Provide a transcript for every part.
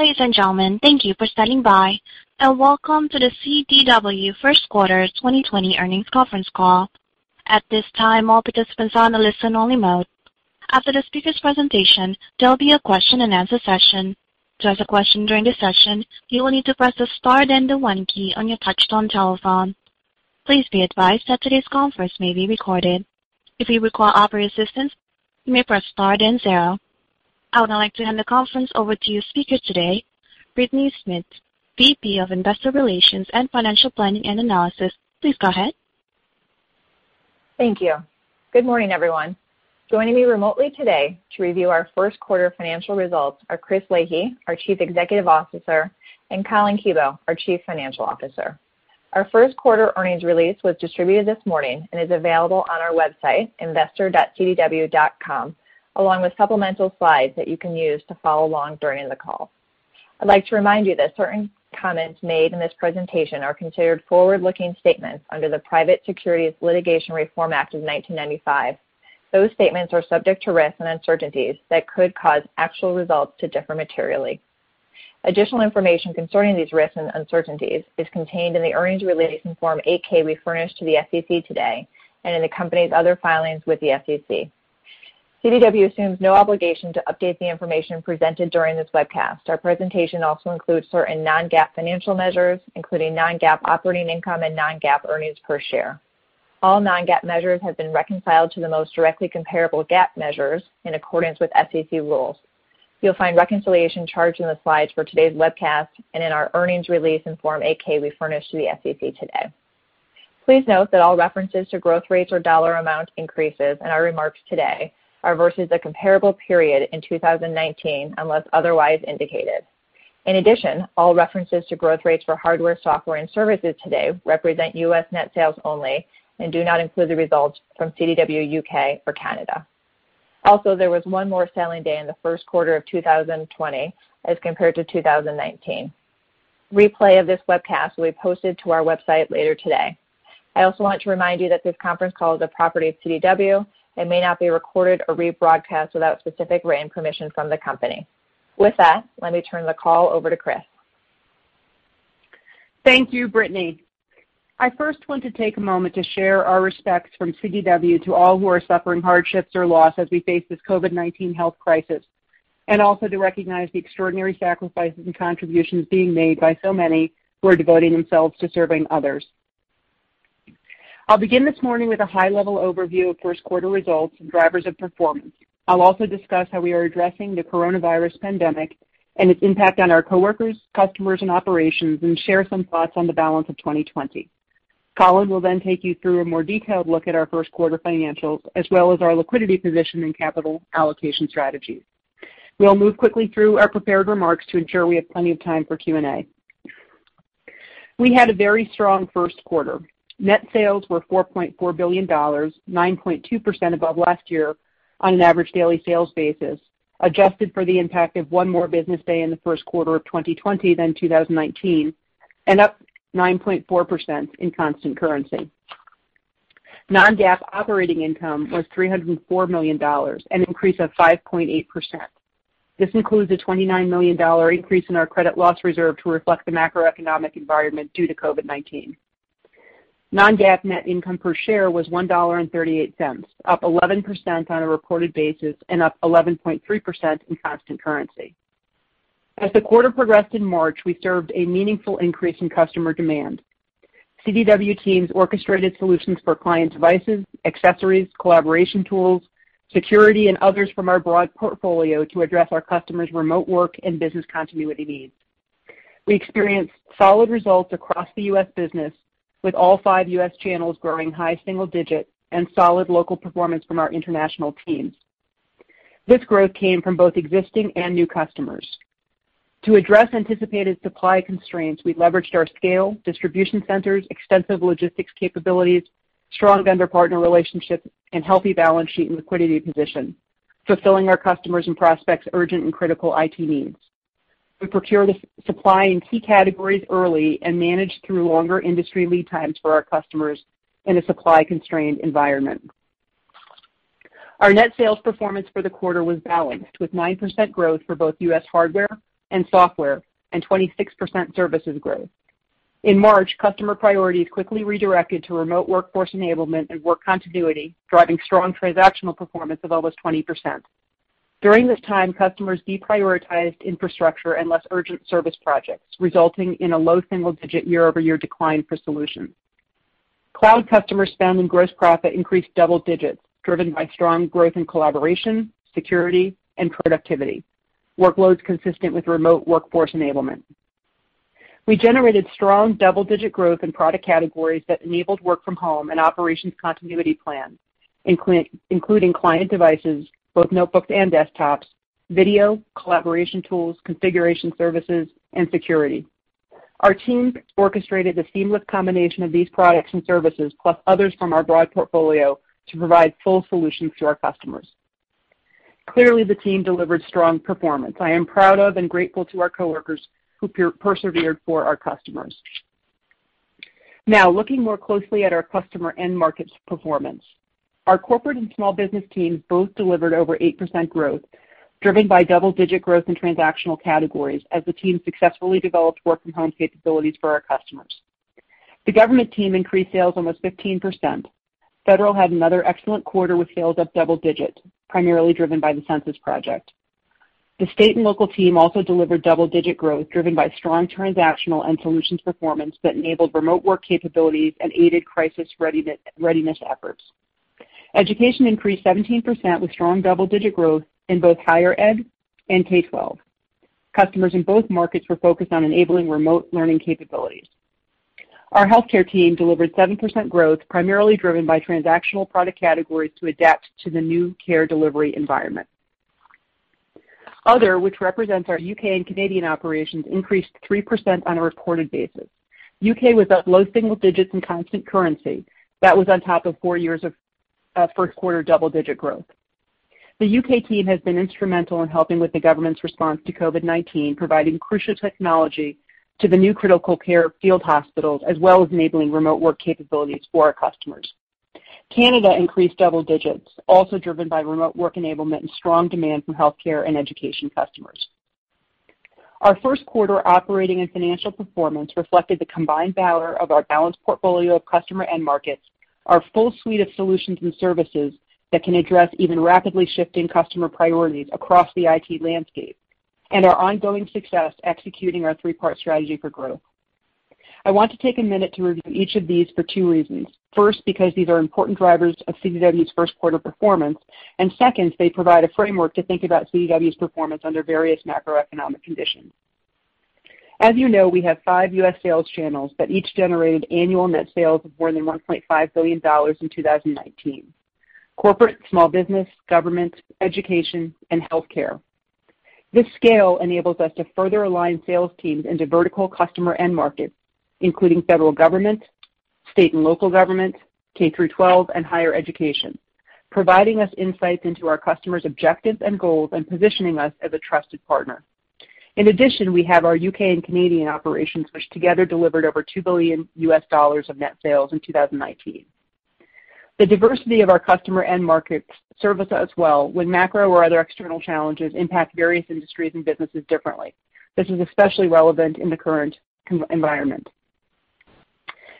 Ladies and gentlemen, thank you for standing by and welcome to the CDW Q1 2020 Earnings Conference Call. At this time, all participants are on a listen-only mode. After the speaker's presentation, there will be a question-and-answer session. To ask a question during this session, you will need to press the star then the one key on your touch-tone telephone. Please be advised that today's conference may be recorded. If you require operator assistance, you may press star then zero. I would now like to hand the conference over to your speaker today, Brittany Smith, VP of Investor Relations and Financial Planning and Analysis. Please go ahead. Thank you. Good morning, everyone. Joining me remotely today to review our Q1 financial results are Chris Leahy, our Chief Executive Officer, and Collin Kebo, our Chief Financial Officer. Our Q1 earnings release was distributed this morning and is available on our website, investor.cdw.com, along with supplemental slides that you can use to follow along during the call. I'd like to remind you that certain comments made in this presentation are considered forward-looking statements under the Private Securities Litigation Reform Act of 1995. Those statements are subject to risks and uncertainties that could cause actual results to differ materially. Additional information concerning these risks and uncertainties is contained in the earnings release and Form 8-K we furnished to the SEC today and in the company's other filings with the SEC. CDW assumes no obligation to update the information presented during this webcast. Our presentation also includes certain non-GAAP financial measures, including non-GAAP operating income and non-GAAP earnings per share. All non-GAAP measures have been reconciled to the most directly comparable GAAP measures in accordance with SEC rules. You'll find reconciliation charts in the slides for today's webcast and in our earnings release and Form 8-K we furnished to the SEC today. Please note that all references to growth rates or dollar amount increases in our remarks today are versus a comparable period in 2019 unless otherwise indicated. In addition, all references to growth rates for hardware, software, and services today represent U.S. net sales only and do not include the results from CDW U.K. or Canada. Also, there was one more selling day in the Q1 of 2020 as compared to 2019. Replay of this webcast will be posted to our website later today. I also want to remind you that this Conference Call is a property of CDW and may not be recorded or rebroadcast without specific written permission from the company. With that, let me turn the call over to Chris. Thank you, Brittany. I first want to take a moment to share our respects from CDW to all who are suffering hardships or loss as we face this COVID-19 health crisis, and also to recognize the extraordinary sacrifices and contributions being made by so many who are devoting themselves to serving others. I'll begin this morning with a high-level overview of Q1 results and drivers of performance. I'll also discuss how we are addressing the coronavirus pandemic and its impact on our coworkers, customers, and operations, and share some thoughts on the balance of 2020. Collin will then take you through a more detailed look at our Q1 financials, as well as our liquidity position and capital allocation strategies. We'll move quickly through our prepared remarks to ensure we have plenty of time for Q&A. We had a very strong Q1. Net sales were $4.4 billion, 9.2% above last year on an average daily sales basis, adjusted for the impact of one more business day in the Q1 of 2020 than 2019, and up 9.4% in constant currency. Non-GAAP operating income was $304 million, an increase of 5.8%. This includes a $29 million increase in our credit loss reserve to reflect the macroeconomic environment due to COVID-19. Non-GAAP net income per share was $1.38, up 11% on a reported basis and up 11.3% in constant currency. As the quarter progressed in March, we served a meaningful increase in customer demand. CDW teams orchestrated solutions for client devices, accessories, collaboration tools, security, and others from our broad portfolio to address our customers' remote work and business continuity needs. We experienced solid results across the U.S. business, with all five U.S. channels growing high single digits and solid local performance from our international teams. This growth came from both existing and new customers. To address anticipated supply constraints, we leveraged our scale, distribution centers, extensive logistics capabilities, strong vendor partner relationships, and healthy balance sheet and liquidity position, fulfilling our customers' and prospects' urgent and critical IT needs. We procured supply in key categories early and managed through longer industry lead times for our customers in a supply-constrained environment. Our net sales performance for the quarter was balanced, with 9% growth for both U.S. hardware and software and 26% services growth. In March, customer priorities quickly redirected to remote workforce enablement and work continuity, driving strong transactional performance of almost 20%. During this time, customers deprioritized infrastructure and less urgent service projects, resulting in a low single-digit year-over-year decline for solutions. Cloud customer spend and gross profit increased double digits, driven by strong growth in collaboration, security, and productivity, workloads consistent with remote workforce enablement. We generated strong double-digit growth in product categories that enabled work from home and operations continuity plans, including client devices, both notebooks and desktops, video, collaboration tools, configuration services, and security. Our team orchestrated a seamless combination of these products and services, plus others from our broad portfolio, to provide full solutions to our customers. Clearly, the team delivered strong performance. I am proud of and grateful to our coworkers who persevered for our customers. Now, looking more closely at our customer and markets' performance, our corporate and small business teams both delivered over 8% growth, driven by double-digit growth in transactional categories, as the team successfully developed work-from-home capabilities for our customers. The government team increased sales almost 15%. Federal had another excellent quarter with sales up double digits, primarily driven by the Census Project. The state and local team also delivered double-digit growth, driven by strong transactional and solutions performance that enabled remote work capabilities and aided crisis readiness efforts. Education increased 17% with strong double-digit growth in both higher ed and K-12. Customers in both markets were focused on enabling remote learning capabilities. Our healthcare team delivered 7% growth, primarily driven by transactional product categories to adapt to the new care delivery environment. Other, which represents our U.K. and Canadian operations, increased 3% on a reported basis. U.K. was up low single digits in constant currency. That was on top of four years of Q1 double-digit growth. The U.K. team has been instrumental in helping with the government's response to COVID-19, providing crucial technology to the new critical care field hospitals, as well as enabling remote work capabilities for our customers. Canada increased double digits, also driven by remote work enablement and strong demand from healthcare and education customers. Our Q1 operating and financial performance reflected the combined value of our balanced portfolio of customers and markets, our full suite of solutions and services that can address even rapidly shifting customer priorities across the IT landscape, and our ongoing success executing our three-part strategy for growth. I want to take a minute to review each of these for two reasons. First, because these are important drivers of CDW's Q1 performance, and second, they provide a framework to think about CDW's performance under various macroeconomic conditions. As you know, we have five U.S. sales channels that each generated annual net sales of more than $1.5 billion in 2019: corporate, small business, government, education, and healthcare. This scale enables us to further align sales teams into vertical customer and markets, including federal government, state and local government, K-12, and higher education, providing us insights into our customers' objectives and goals and positioning us as a trusted partner. In addition, we have our U.K. and Canadian operations, which together delivered over $2 billion U.S. dollars of net sales in 2019. The diversity of our customer and markets serves us well when macro or other external challenges impact various industries and businesses differently. This is especially relevant in the current environment.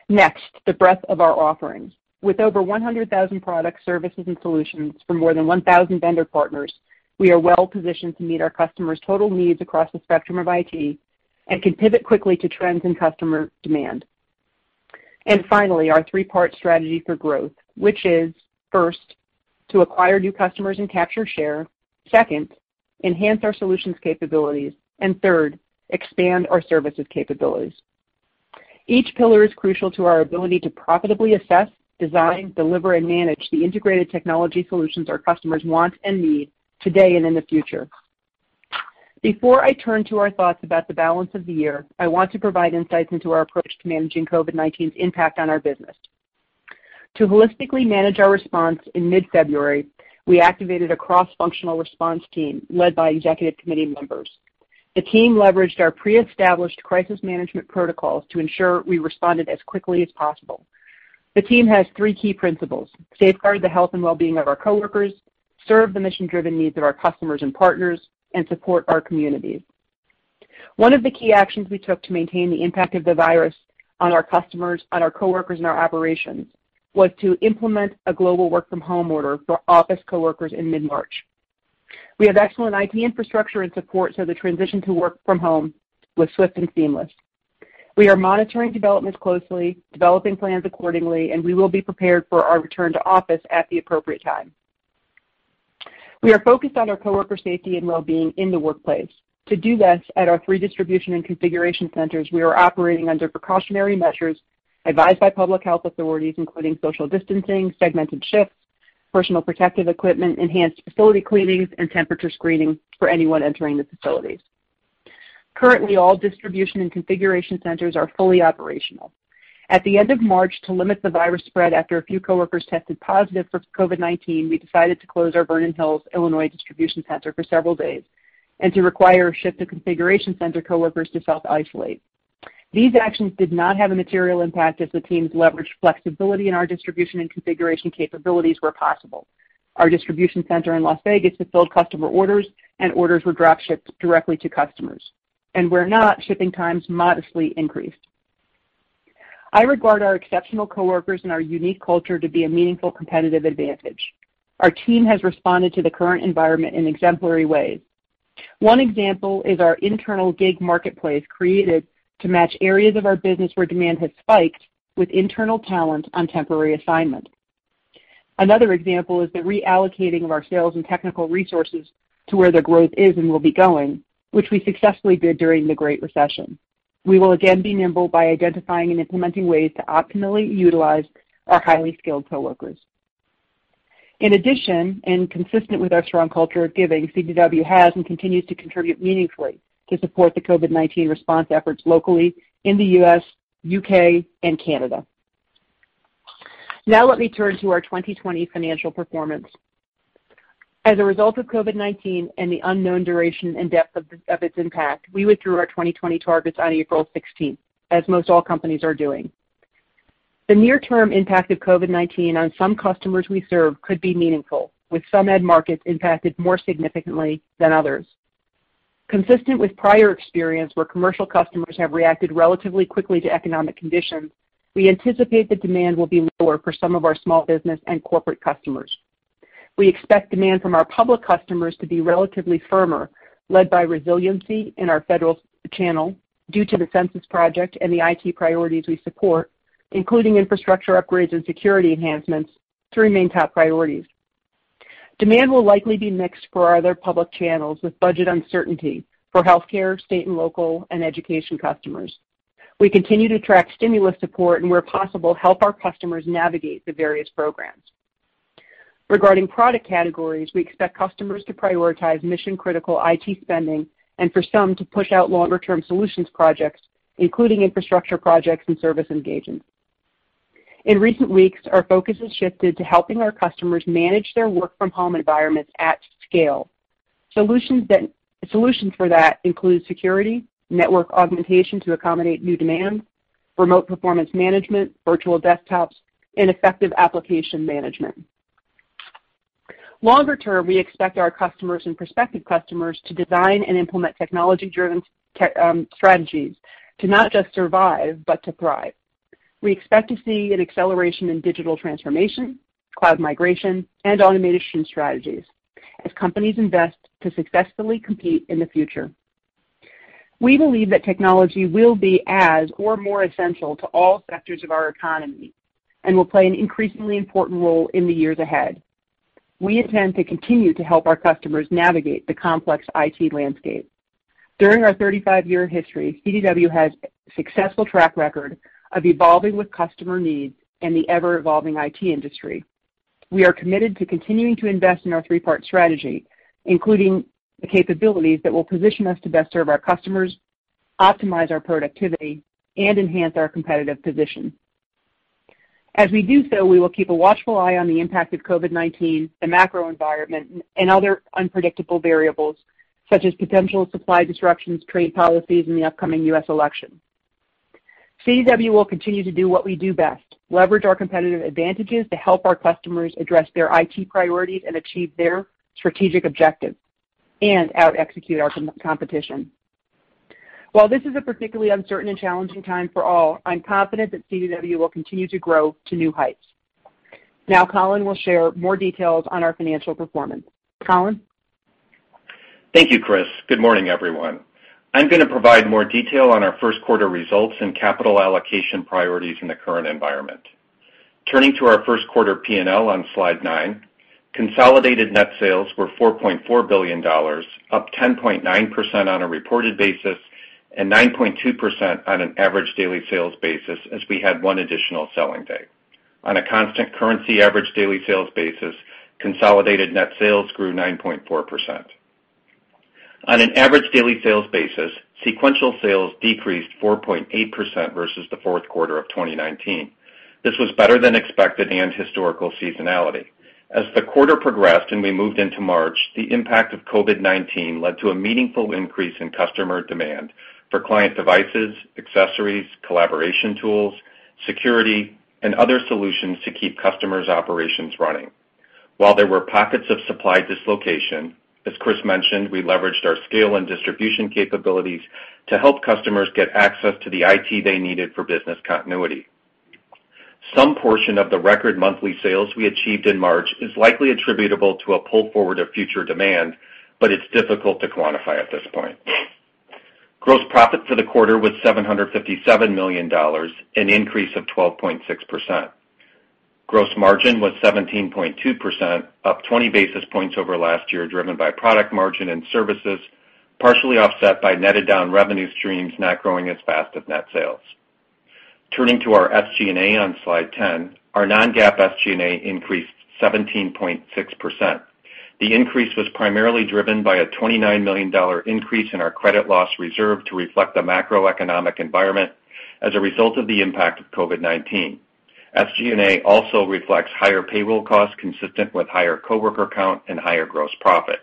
Next, the breadth of our offerings. With over 100,000 products, services, and solutions from more than 1,000 vendor partners, we are well positioned to meet our customers' total needs across the spectrum of IT and can pivot quickly to trends in customer demand. And finally, our three-part strategy for growth, which is, first, to acquire new customers and capture share, second, enhance our solutions capabilities, and third, expand our services capabilities. Each pillar is crucial to our ability to profitably assess, design, deliver, and manage the integrated technology solutions our customers want and need today and in the future. Before I turn to our thoughts about the balance of the year, I want to provide insights into our approach to managing COVID-19's impact on our business. To holistically manage our response in mid-February, we activated a cross-functional response team led by executive committee members. The team leveraged our pre-established crisis management protocols to ensure we responded as quickly as possible. The team has three key principles: safeguard the health and well-being of our coworkers, serve the mission-driven needs of our customers and partners, and support our communities. One of the key actions we took to maintain the impact of the virus on our customers, on our coworkers, and our operations was to implement a global work-from-home order for office coworkers in mid-March. We have excellent IT infrastructure and support, so the transition to work from home was swift and seamless. We are monitoring developments closely, developing plans accordingly, and we will be prepared for our return to office at the appropriate time. We are focused on our coworker safety and well-being in the workplace. To do this, at our three distribution and configuration centers, we are operating under precautionary measures advised by public health authorities, including social distancing, segmented shifts, personal protective equipment, enhanced facility cleanings, and temperature screening for anyone entering the facilities. Currently, all distribution and configuration centers are fully operational. At the end of March, to limit the virus spread after a few coworkers tested positive for COVID-19, we decided to close our Vernon Hills, Illinois, distribution center for several days and to require a shift of configuration center coworkers to self-isolate. These actions did not have a material impact as the teams leveraged flexibility in our distribution and configuration capabilities where possible. Our distribution center in Las Vegas fulfilled customer orders, and orders were drop-shipped directly to customers, and where not, shipping times modestly increased. I regard our exceptional coworkers and our unique culture to be a meaningful competitive advantage. Our team has responded to the current environment in exemplary ways. One example is our internal gig marketplace created to match areas of our business where demand has spiked with internal talent on temporary assignment. Another example is the reallocating of our sales and technical resources to where the growth is and will be going, which we successfully did during the Great Recession. We will again be nimble by identifying and implementing ways to optimally utilize our highly skilled coworkers. In addition, and consistent with our strong culture of giving, CDW has and continues to contribute meaningfully to support the COVID-19 response efforts locally in the U.S., U.K., and Canada. Now, let me turn to our 2020 financial performance. As a result of COVID-19 and the unknown duration and depth of its impact, we withdrew our 2020 targets on April 16, as most all companies are doing. The near-term impact of COVID-19 on some customers we serve could be meaningful, with some end markets impacted more significantly than others. Consistent with prior experience, where commercial customers have reacted relatively quickly to economic conditions, we anticipate the demand will be lower for some of our small business and corporate customers. We expect demand from our public customers to be relatively firmer, led by resiliency in our federal channel due to the Census Project and the IT priorities we support, including infrastructure upgrades and security enhancements to remain top priorities. Demand will likely be mixed for our other public channels with budget uncertainty for healthcare, state and local, and education customers. We continue to track stimulus support and, where possible, help our customers navigate the various programs. Regarding product categories, we expect customers to prioritize mission-critical IT spending and, for some, to push out longer-term solutions projects, including infrastructure projects and service engagements. In recent weeks, our focus has shifted to helping our customers manage their work-from-home environments at scale. Solutions for that include security, network augmentation to accommodate new demands, remote performance management, virtual desktops, and effective application management. Longer term, we expect our customers and prospective customers to design and implement technology-driven strategies to not just survive but to thrive. We expect to see an acceleration in digital transformation, cloud migration, and automation strategies as companies invest to successfully compete in the future. We believe that technology will be as or more essential to all sectors of our economy and will play an increasingly important role in the years ahead. We intend to continue to help our customers navigate the complex IT landscape. During our 35-year history, CDW has a successful track record of evolving with customer needs and the ever-evolving IT industry. We are committed to continuing to invest in our three-part strategy, including the capabilities that will position us to best serve our customers, optimize our productivity, and enhance our competitive position. As we do so, we will keep a watchful eye on the impact of COVID-19, the macro environment, and other unpredictable variables such as potential supply disruptions, trade policies, and the upcoming U.S. election. CDW will continue to do what we do best: leverage our competitive advantages to help our customers address their IT priorities and achieve their strategic objectives and out-execute our competition. While this is a particularly uncertain and challenging time for all, I'm confident that CDW will continue to grow to new heights. Now, Collin will share more details on our financial performance. Collin? Thank you, Chris. Good morning, everyone. I'm going to provide more detail on our Q1 results and capital allocation priorities in the current environment. Turning to our Q1 P&L on slide 9, consolidated net sales were $4.4 billion, up 10.9% on a reported basis and 9.2% on an average daily sales basis as we had one additional selling day. On a constant currency average daily sales basis, consolidated net sales grew 9.4%. On an average daily sales basis, sequential sales decreased 4.8% versus the Q4 of 2019. This was better than expected and historical seasonality. As the quarter progressed and we moved into March, the impact of COVID-19 led to a meaningful increase in customer demand for client devices, accessories, collaboration tools, security, and other solutions to keep customers' operations running. While there were pockets of supply dislocation, as Chris mentioned, we leveraged our scale and distribution capabilities to help customers get access to the IT they needed for business continuity. Some portion of the record monthly sales we achieved in March is likely attributable to a pull forward of future demand, but it's difficult to quantify at this point. Gross profit for the quarter was $757 million, an increase of 12.6%. Gross margin was 17.2%, up 20 basis points over last year, driven by product margin and services, partially offset by netted down revenue streams not growing as fast as net sales. Turning to our SG&A on slide 10, our non-GAAP SG&A increased 17.6%. The increase was primarily driven by a $29 million increase in our credit loss reserve to reflect the macroeconomic environment as a result of the impact of COVID-19. SG&A also reflects higher payroll costs consistent with higher coworker count and higher gross profit,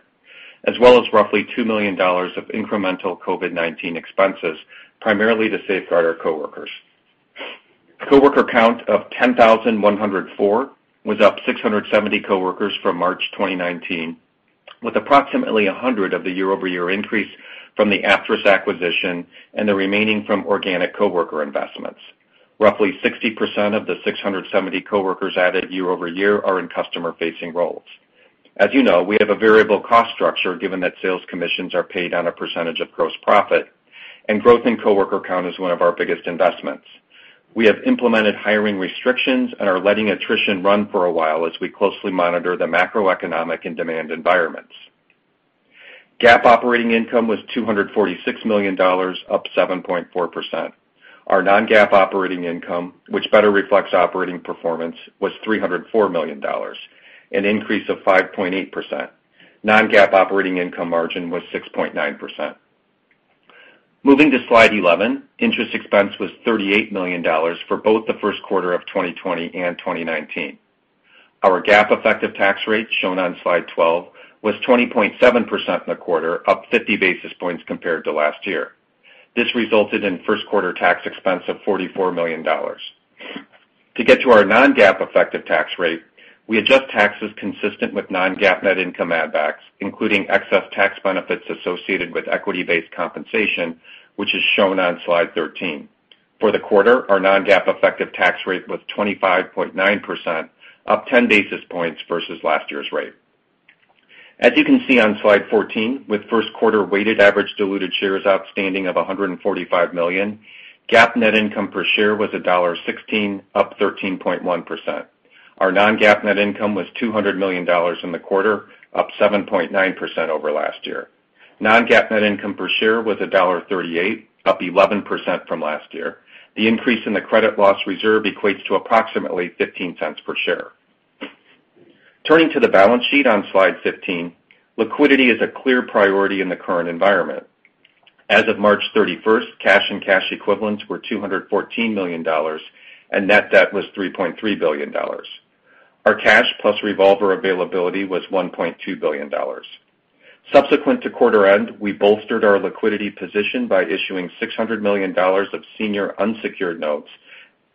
as well as roughly $2 million of incremental COVID-19 expenses, primarily to safeguard our coworkers. Coworker count of 10,104 was up 670 coworkers from March 2019, with approximately 100 of the year-over-year increase from the Aptris acquisition and the remaining from organic coworker investments. Roughly 60% of the 670 coworkers added year-over-year are in customer-facing roles. As you know, we have a variable cost structure given that sales commissions are paid on a percentage of gross profit, and growth in coworker count is one of our biggest investments. We have implemented hiring restrictions and are letting attrition run for a while as we closely monitor the macroeconomic and demand environments. GAAP operating income was $246 million, up 7.4%. Our non-GAAP operating income, which better reflects operating performance, was $304 million, an increase of 5.8%. Non-GAAP operating income margin was 6.9%. Moving to slide 11, interest expense was $38 million for both the Q1 of 2020 and 2019. Our GAAP effective tax rate, shown on slide 12, was 20.7% in the quarter, up 50 basis points compared to last year. This resulted in Q1 tax expense of $44 million. To get to our non-GAAP effective tax rate, we adjust taxes consistent with non-GAAP net income add-backs, including excess tax benefits associated with equity-based compensation, which is shown on slide 13. For the quarter, our non-GAAP effective tax rate was 25.9%, up 10 basis points versus last year's rate. As you can see on slide 14, with Q1 weighted average diluted shares outstanding of 145 million, GAAP net income per share was $1.16, up 13.1%. Our non-GAAP net income was $200 million in the quarter, up 7.9% over last year. Non-GAAP net income per share was $1.38, up 11% from last year. The increase in the credit loss reserve equates to approximately $0.15 per share. Turning to the balance sheet on slide 15, liquidity is a clear priority in the current environment. As of March 31, cash and cash equivalents were $214 million, and net debt was $3.3 billion. Our cash plus revolver availability was $1.2 billion. Subsequent to quarter end, we bolstered our liquidity position by issuing $600 million of senior unsecured notes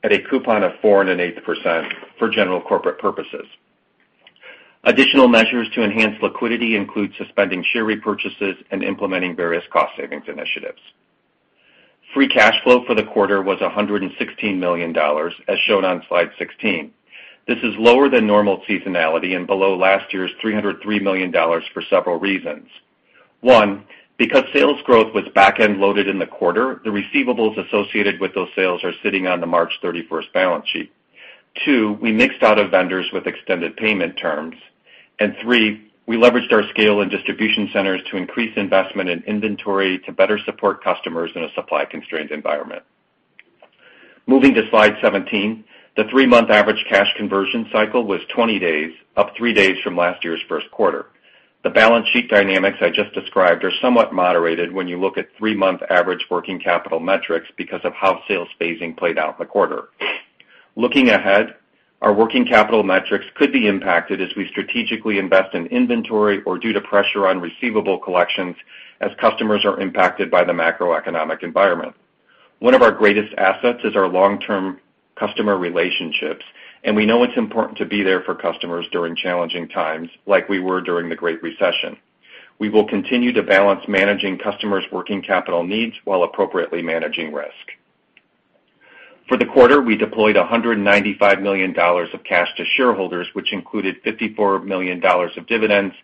at a coupon of 4.8% for general corporate purposes. Additional measures to enhance liquidity include suspending share repurchases and implementing various cost savings initiatives. Free cash flow for the quarter was $116 million, as shown on slide 16. This is lower than normal seasonality and below last year's $303 million for several reasons. One, because sales growth was back-end loaded in the quarter, the receivables associated with those sales are sitting on the March 31 balance sheet. Two, we mixed out of vendors with extended payment terms. And three, we leveraged our scale and distribution centers to increase investment in inventory to better support customers in a supply-constrained environment. Moving to slide 17, the three-month average cash conversion cycle was 20 days, up three days from last year's Q1. The balance sheet dynamics I just described are somewhat moderated when you look at three-month average working capital metrics because of how sales phasing played out in the quarter. Looking ahead, our working capital metrics could be impacted as we strategically invest in inventory or due to pressure on receivable collections as customers are impacted by the macroeconomic environment. One of our greatest assets is our long-term customer relationships, and we know it's important to be there for customers during challenging times like we were during the Great Recession. We will continue to balance managing customers' working capital needs while appropriately managing risk. For the quarter, we deployed $195 million of cash to shareholders, which included $54 million of dividends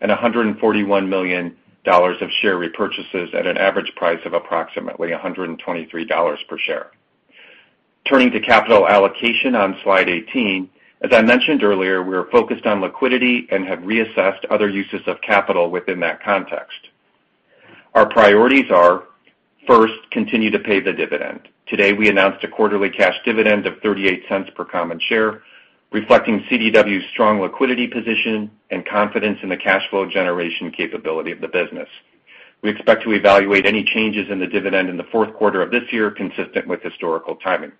and $141 million of share repurchases at an average price of approximately $123 per share. Turning to capital allocation on slide 18, as I mentioned earlier, we are focused on liquidity and have reassessed other uses of capital within that context. Our priorities are, first, continue to pay the dividend. Today, we announced a quarterly cash dividend of $0.38 per common share, reflecting CDW's strong liquidity position and confidence in the cash flow generation capability of the business. We expect to evaluate any changes in the dividend in the Q4 of this year consistent with historical timing.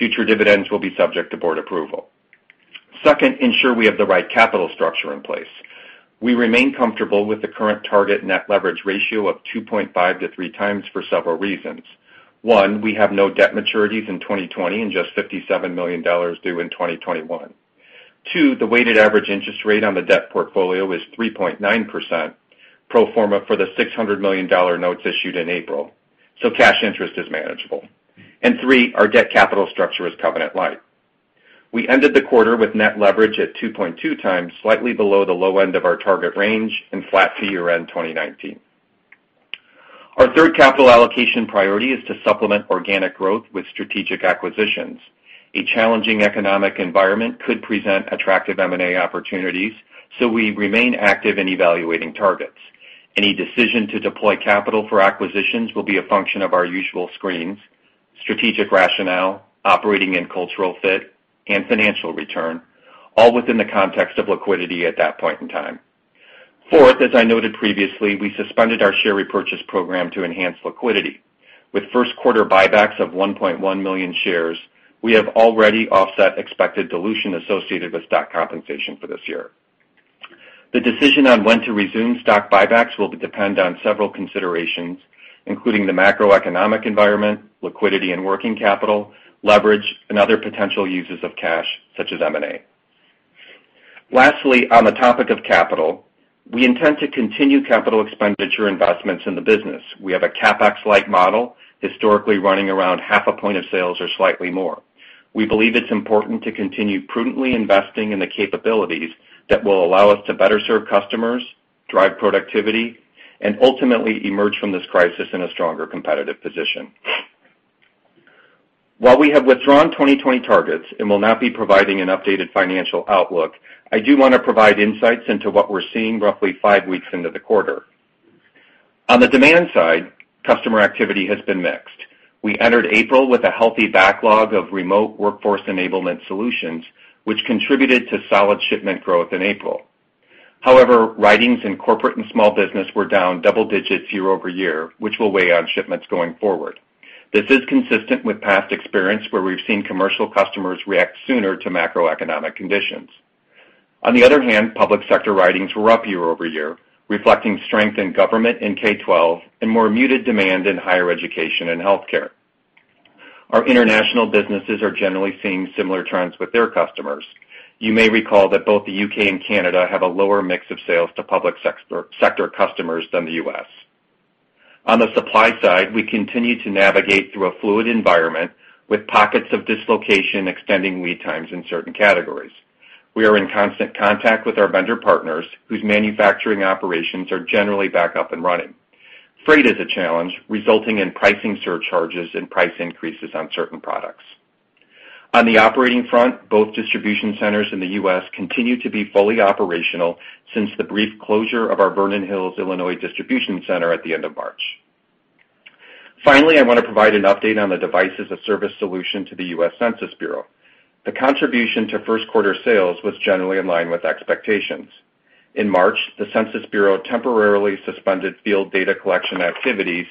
Future dividends will be subject to board approval. Second, ensure we have the right capital structure in place. We remain comfortable with the current target net leverage ratio of 2.5 to 3 times for several reasons. One, we have no debt maturities in 2020 and just $57 million due in 2021. Two, the weighted average interest rate on the debt portfolio is 3.9% pro forma for the $600 million notes issued in April, so cash interest is manageable, and three, our debt capital structure is covenant-like. We ended the quarter with net leverage at 2.2 times, slightly below the low end of our target range and flat to year-end 2019. Our third capital allocation priority is to supplement organic growth with strategic acquisitions. A challenging economic environment could present attractive M&A opportunities, so we remain active in evaluating targets. Any decision to deploy capital for acquisitions will be a function of our usual screens, strategic rationale, operating and cultural fit, and financial return, all within the context of liquidity at that point in time. Fourth, as I noted previously, we suspended our share repurchase program to enhance liquidity. With Q1 buybacks of 1.1 million shares, we have already offset expected dilution associated with stock compensation for this year. The decision on when to resume stock buybacks will depend on several considerations, including the macroeconomic environment, liquidity and working capital, leverage, and other potential uses of cash, such as M&A. Lastly, on the topic of capital, we intend to continue capital expenditure investments in the business. We have a CapEx-like model, historically running around 0.5% of sales or slightly more. We believe it's important to continue prudently investing in the capabilities that will allow us to better serve customers, drive productivity, and ultimately emerge from this crisis in a stronger competitive position. While we have withdrawn 2020 targets and will not be providing an updated financial outlook, I do want to provide insights into what we're seeing roughly five weeks into the quarter. On the demand side, customer activity has been mixed. We entered April with a healthy backlog of remote workforce enablement solutions, which contributed to solid shipment growth in April. However, writings in corporate and small business were down double digits year-over-year, which will weigh on shipments going forward. This is consistent with past experience where we've seen commercial customers react sooner to macroeconomic conditions. On the other hand, public sector writings were up year-over-year, reflecting strength in government in K-12 and more muted demand in higher education and healthcare. Our international businesses are generally seeing similar trends with their customers. You may recall that both the U.K. and Canada have a lower mix of sales to public sector customers than the U.S. On the supply side, we continue to navigate through a fluid environment with pockets of dislocation extending lead times in certain categories. We are in constant contact with our vendor partners, whose manufacturing operations are generally back up and running. Freight is a challenge, resulting in pricing surcharges and price increases on certain products. On the operating front, both distribution centers in the U.S. continue to be fully operational since the brief closure of our Vernon Hills, Illinois distribution center at the end of March. Finally, I want to provide an update on the Device as a Service solution to the U.S. Census Bureau. The contribution to Q1 sales was generally in line with expectations. In March, the Census Bureau temporarily suspended field data collection activities,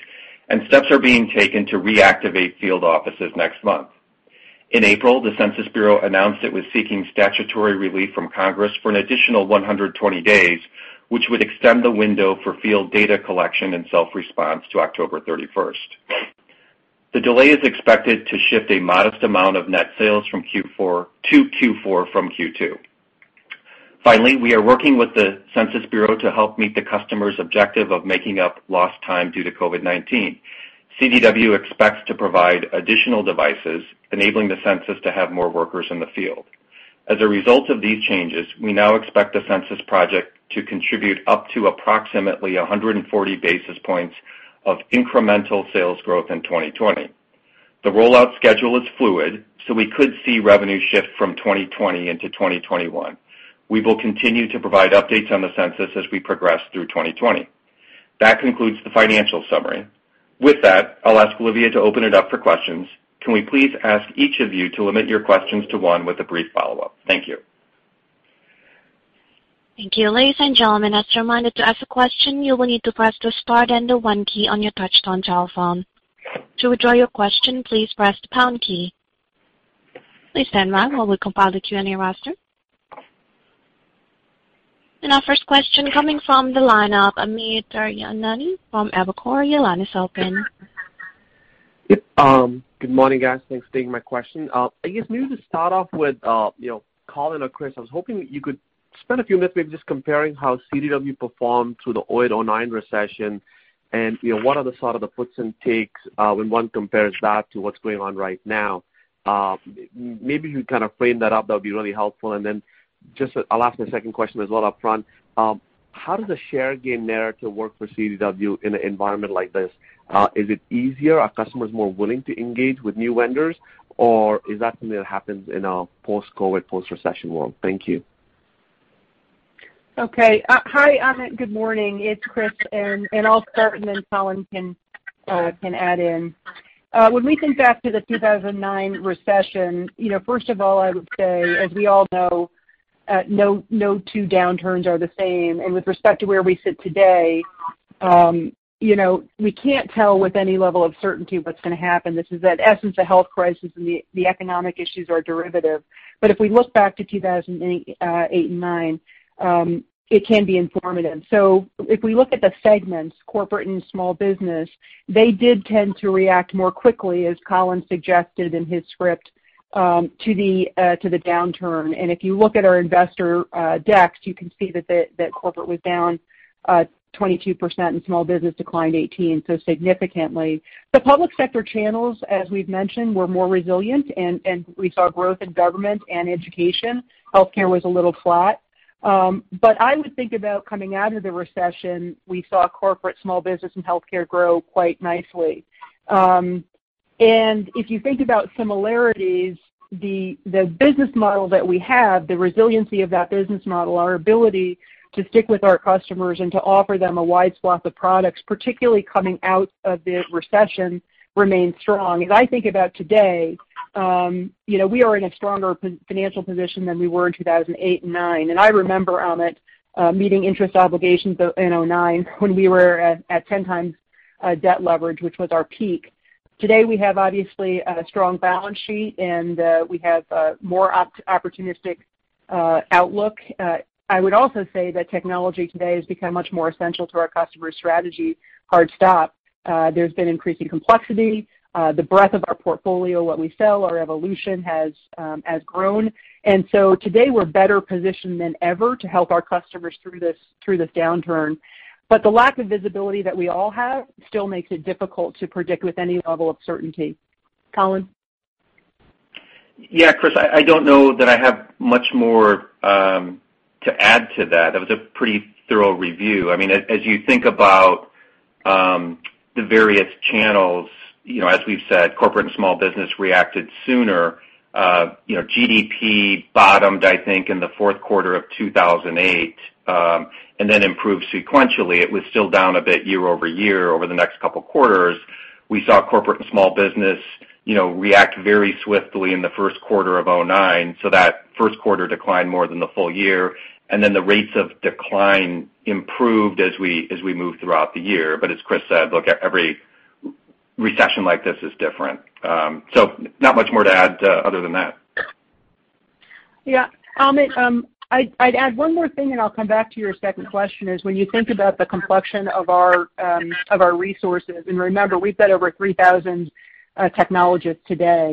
and steps are being taken to reactivate field offices next month. In April, the Census Bureau announced it was seeking statutory relief from Congress for an additional 120 days, which would extend the window for field data collection and self-response to October 31. The delay is expected to shift a modest amount of net sales from Q2 to Q4. Finally, we are working with the Census Bureau to help meet the customer's objective of making up lost time due to COVID-19. CDW expects to provide additional devices, enabling the Census to have more workers in the field. As a result of these changes, we now expect the Census Project to contribute up to approximately 140 basis points of incremental sales growth in 2020. The rollout schedule is fluid, so we could see revenue shift from 2020 into 2021. We will continue to provide updates on the census as we progress through 2020. That concludes the financial summary. With that, I'll ask Olivia to open it up for questions. Can we please ask each of you to limit your questions to one with a brief follow-up? Thank you. Thank you. Ladies and gentlemen, as a reminder to ask a question, you will need to press the star and the one key on your touch-tone telephone. To withdraw your question, please press the pound key. Please stand by while we compile the Q&A roster, and our first question coming from the lineup, Amit Daryanani from Evercore ISI. Good morning, guys. Thanks for taking my question. I guess maybe to start off with, Collin or Chris, I was hoping you could spend a few minutes maybe just comparing how CDW performed through the 08/09 recession and what are the sort of the puts and takes when one compares that to what's going on right now. Maybe if you can kind of frame that up, that would be really helpful. And then just I'll ask the second question as well upfront. How does the share gain narrative work for CDW in an environment like this? Is it easier? Are customers more willing to engage with new vendors, or is that something that happens in a post-COVID, post-recession world? Thank you. Okay. Hi, Amit. Good morning. It's Chris, and I'll start, and then Collin can add in. When we think back to the 2009 recession, first of all, I would say, as we all know, no two downturns are the same, and with respect to where we sit today, we can't tell with any level of certainty what's going to happen. This is, in essence, a health crisis, and the economic issues are derivative, but if we look back to 2008 and 2009, it can be informative, so if we look at the segments, corporate and small business, they did tend to react more quickly, as Collin suggested in his script, to the downturn, and if you look at our investor decks, you can see that corporate was down 22% and small business declined 18%, so significantly. The public sector channels, as we've mentioned, were more resilient, and we saw growth in government and education. Healthcare was a little flat, but I would think about coming out of the recession, we saw corporate, small business, and healthcare grow quite nicely, and if you think about similarities, the business model that we have, the resiliency of that business model, our ability to stick with our customers and to offer them a wide swath of products, particularly coming out of the recession, remains strong. As I think about today, we are in a stronger financial position than we were in 2008 and 2009, and I remember, Amit, meeting interest obligations in 2009 when we were at 10 times debt leverage, which was our peak. Today, we have obviously a strong balance sheet, and we have a more opportunistic outlook. I would also say that technology today has become much more essential to our customer strategy. Hard stop. There's been increasing complexity. The breadth of our portfolio, what we sell, our evolution has grown. And so today, we're better positioned than ever to help our customers through this downturn. But the lack of visibility that we all have still makes it difficult to predict with any level of certainty. Collin? Yeah, Chris, I don't know that I have much more to add to that. That was a pretty thorough review. I mean, as you think about the various channels, as we've said, corporate and small business reacted sooner. GDP bottomed, I think, in the Q4 of 2008 and then improved sequentially. It was still down a bit year-over-year over the next couple of quarters. We saw corporate and small business react very swiftly in the Q1 of 2009, so that Q1 declined more than the full year. And then the rates of decline improved as we moved throughout the year. But as Chris said, look, every recession like this is different. So not much more to add other than that. Yeah. Amit, I'd add one more thing, and I'll come back to your second question. It is when you think about the complexion of our resources, and remember, we've got over 3,000 technologists today,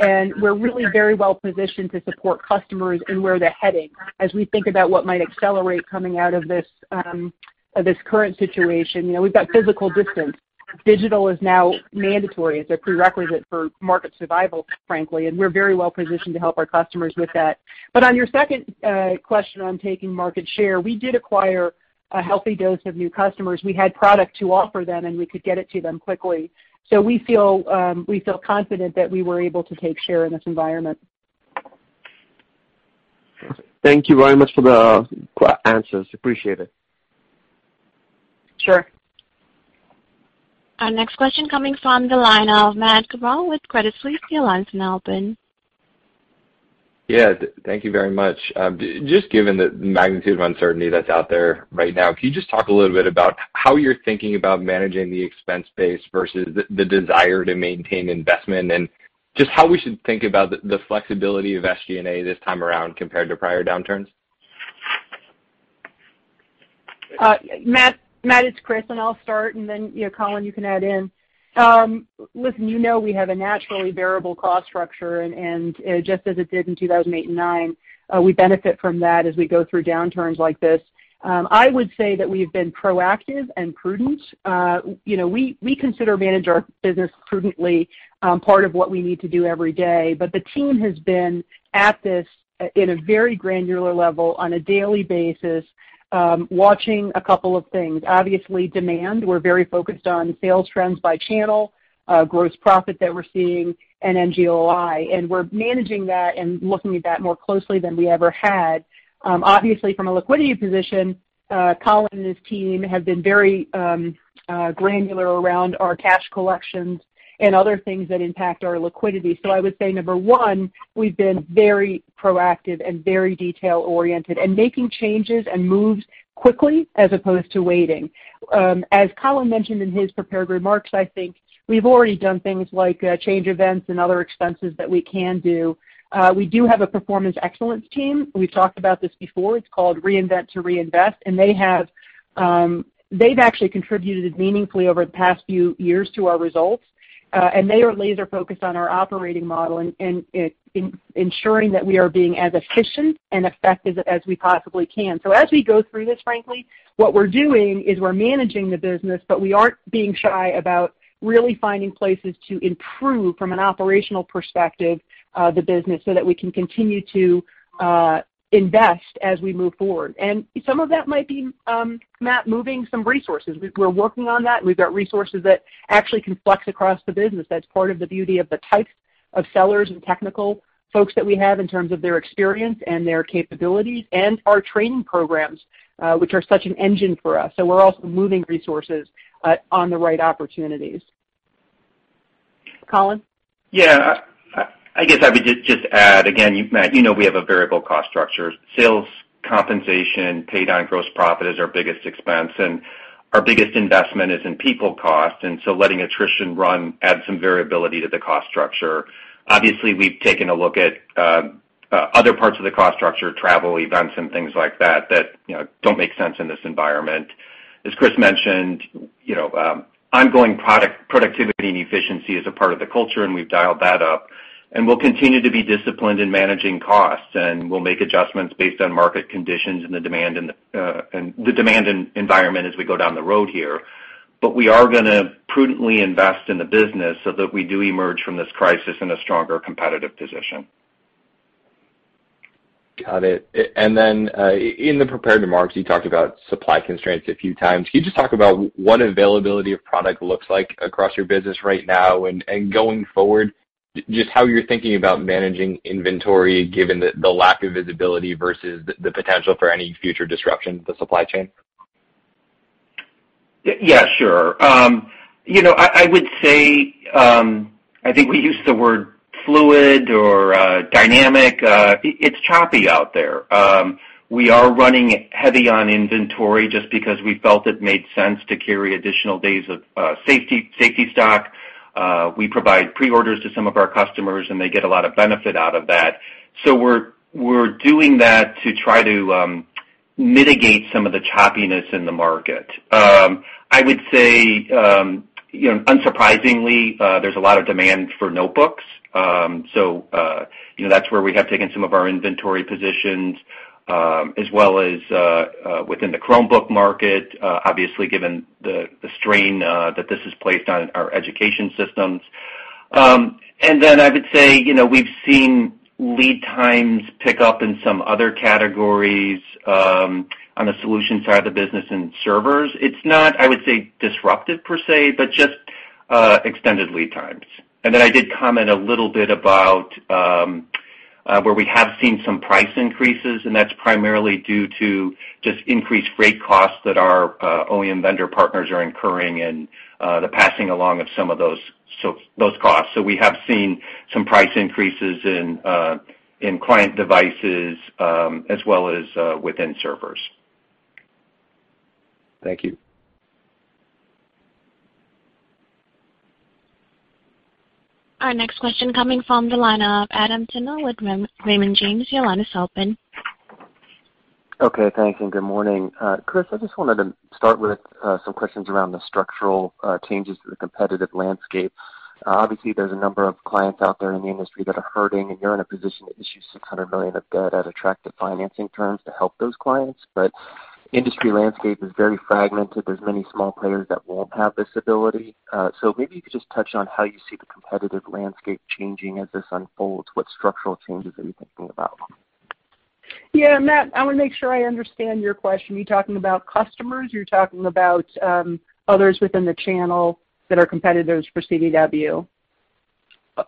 and we're really very well positioned to support customers in where they're heading. As we think about what might accelerate coming out of this current situation, we've got physical distance. Digital is now mandatory. It's a prerequisite for market survival, frankly, and we're very well positioned to help our customers with that, but on your second question on taking market share, we did acquire a healthy dose of new customers. We had product to offer them, and we could get it to them quickly, so we feel confident that we were able to take share in this environment. Thank you very much for the answers. Appreciate it. Sure. Our next question coming from the line of Matt Cabral with Credit Suisse. Yeah. Thank you very much. Just given the magnitude of uncertainty that's out there right now, can you just talk a little bit about how you're thinking about managing the expense base versus the desire to maintain investment and just how we should think about the flexibility of SG&A this time around compared to prior downturns? Matt, it's Chris, and I'll start, and then Collin, you can add in. Listen, you know we have a naturally variable cost structure, and just as it did in 2008 and 2009, we benefit from that as we go through downturns like this. I would say that we've been proactive and prudent. We consider managing our business prudently part of what we need to do every day, but the team has been at this in a very granular level on a daily basis, watching a couple of things. Obviously, demand, we're very focused on sales trends by channel, gross profit that we're seeing, and NGOI. We're managing that and looking at that more closely than we ever had. Obviously, from a liquidity position, Collin and his team have been very granular around our cash collections and other things that impact our liquidity. I would say, number one, we've been very proactive and very detail-oriented and making changes and moves quickly as opposed to waiting. As Collin mentioned in his prepared remarks, I think we've already done things like change events and other expenses that we can do. We do have a performance excellence team. We've talked about this before. It's called Reinvent to Reinvest, and they've actually contributed meaningfully over the past few years to our results. And they are laser-focused on our operating model and ensuring that we are being as efficient and effective as we possibly can. So as we go through this, frankly, what we're doing is we're managing the business, but we aren't being shy about really finding places to improve from an operational perspective the business so that we can continue to invest as we move forward. And some of that might be, Matt, moving some resources. We're working on that, and we've got resources that actually can flex across the business. That's part of the beauty of the types of sellers and technical folks that we have in terms of their experience and their capabilities and our training programs, which are such an engine for us. So we're also moving resources on the right opportunities. Collin? Yeah. I guess I would just add, again, Matt, you know we have a variable cost structure. Sales compensation paid on gross profit is our biggest expense, and our biggest investment is in people cost. And so letting attrition run adds some variability to the cost structure. Obviously, we've taken a look at other parts of the cost structure, travel, events, and things like that that don't make sense in this environment. As Chris mentioned, ongoing productivity and efficiency is a part of the culture, and we've dialed that up. And we'll continue to be disciplined in managing costs, and we'll make adjustments based on market conditions and the demand and the demand environment as we go down the road here. But we are going to prudently invest in the business so that we do emerge from this crisis in a stronger competitive position. Got it. And then in the prepared remarks, you talked about supply constraints a few times. Can you just talk about what availability of product looks like across your business right now and going forward, just how you're thinking about managing inventory given the lack of visibility versus the potential for any future disruption to the supply chain? Yeah, sure. I would say I think we use the word fluid or dynamic. It's choppy out there. We are running heavy on inventory just because we felt it made sense to carry additional days of safety stock. We provide pre-orders to some of our customers, and they get a lot of benefit out of that. So we're doing that to try to mitigate some of the choppiness in the market. I would say, unsurprisingly, there's a lot of demand for notebooks. So that's where we have taken some of our inventory positions as well as within the Chromebook market, obviously given the strain that this has placed on our education systems. And then I would say we've seen lead times pick up in some other categories on the solution side of the business and servers. It's not, I would say, disruptive per se, but just extended lead times. And then I did comment a little bit about where we have seen some price increases, and that's primarily due to just increased freight costs that our OEM vendor partners are incurring and the passing along of some of those costs. So we have seen some price increases in client devices as well as within servers. Thank you. Our next question coming from the line of Adam Tindle with Raymond James your line is open. Okay. Thanks, and good morning. Chris, I just wanted to start with some questions around the structural changes to the competitive landscape. Obviously, there's a number of clients out there in the industry that are hurting, and you're in a position to issue $600 million of debt at attractive financing terms to help those clients. But the industry landscape is very fragmented. There's many small players that won't have this ability. So maybe you could just touch on how you see the competitive landscape changing as this unfolds. What structural changes are you thinking about? Yeah. Matt, I want to make sure I understand your question. You're talking about customers? You're talking about others within the channel that are competitors for CDW?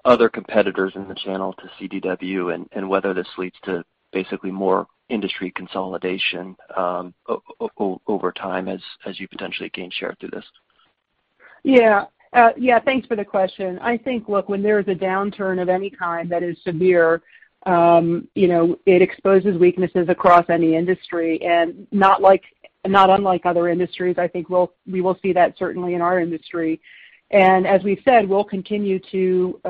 Other competitors in the channel to CDW and whether this leads to basically more industry consolidation over time as you potentially gain share through this? Yeah. Yeah. Thanks for the question. I think, look, when there is a downturn of any kind that is severe, it exposes weaknesses across any industry. And not unlike other industries, I think we will see that certainly in our industry. And as we've said, we'll continue to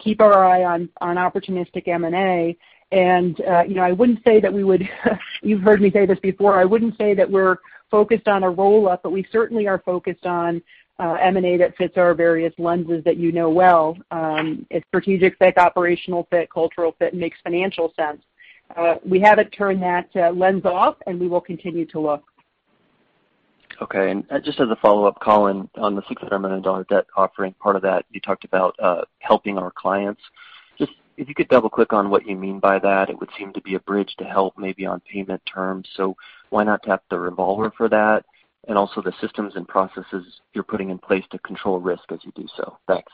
keep our eye on opportunistic M&A. And I wouldn't say that we would, you've heard me say this before, I wouldn't say that we're focused on a roll-up, but we certainly are focused on M&A that fits our various lenses that you know well. It's strategic fit, operational fit, cultural fit, and makes financial sense. We haven't turned that lens off, and we will continue to look. Okay. And just as a follow-up, Collin, on the $600 million debt offering, part of that you talked about helping our clients. Just if you could double-click on what you mean by that, it would seem to be a bridge to help maybe on payment terms. So why not tap the revolver for that? And also the systems and processes you're putting in place to control risk as you do so. Thanks.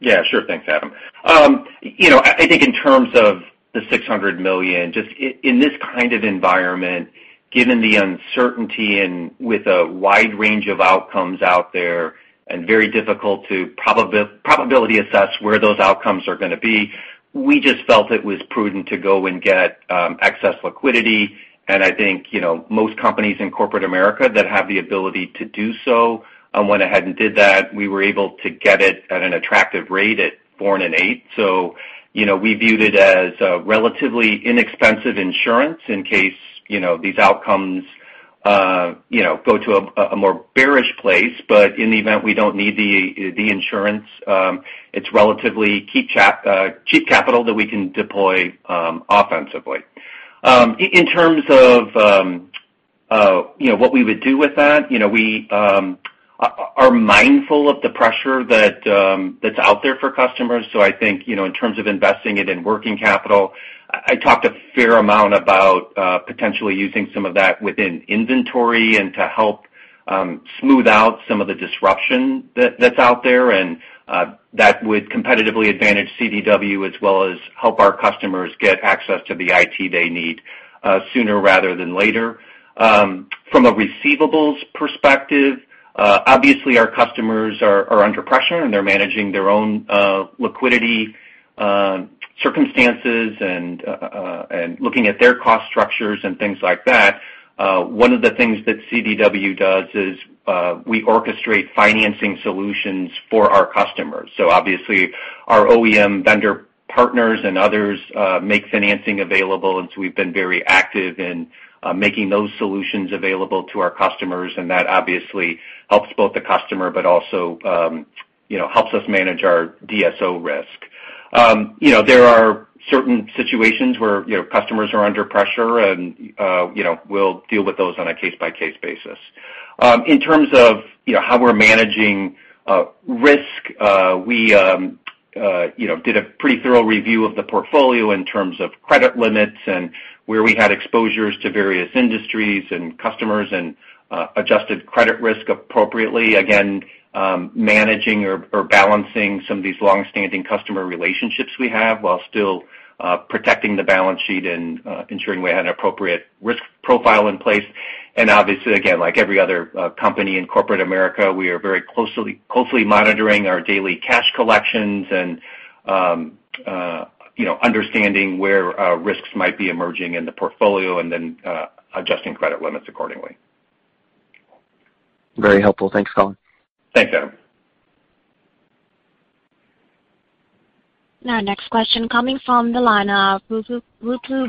Yeah. Sure. Thanks, Adam. I think in terms of the $600 million, just in this kind of environment, given the uncertainty and with a wide range of outcomes out there and very difficult to probability assess where those outcomes are going to be, we just felt it was prudent to go and get excess liquidity. And I think most companies in corporate America that have the ability to do so went ahead and did that. We were able to get it at an attractive rate at 4.8. So we viewed it as a relatively inexpensive insurance in case these outcomes go to a more bearish place. But in the event we don't need the insurance, it's relatively cheap capital that we can deploy offensively. In terms of what we would do with that, we are mindful of the pressure that's out there for customers. So I think in terms of investing it in working capital, I talked a fair amount about potentially using some of that within inventory and to help smooth out some of the disruption that's out there. And that would competitively advantage CDW as well as help our customers get access to the IT they need sooner rather than later. From a receivables perspective, obviously, our customers are under pressure, and they're managing their own liquidity circumstances and looking at their cost structures and things like that. One of the things that CDW does is we orchestrate financing solutions for our customers. So obviously, our OEM vendor partners and others make financing available. And so we've been very active in making those solutions available to our customers, and that obviously helps both the customer but also helps us manage our DSO risk. There are certain situations where customers are under pressure, and we'll deal with those on a case-by-case basis. In terms of how we're managing risk, we did a pretty thorough review of the portfolio in terms of credit limits and where we had exposures to various industries and customers and adjusted credit risk appropriately. Again, managing or balancing some of these long-standing customer relationships we have while still protecting the balance sheet and ensuring we had an appropriate risk profile in place, and obviously, again, like every other company in corporate America, we are very closely monitoring our daily cash collections and understanding where risks might be emerging in the portfolio and then adjusting credit limits accordingly. Very helpful. Thanks, Collin. Thanks, Adam. Our next question coming from the line of Ruplu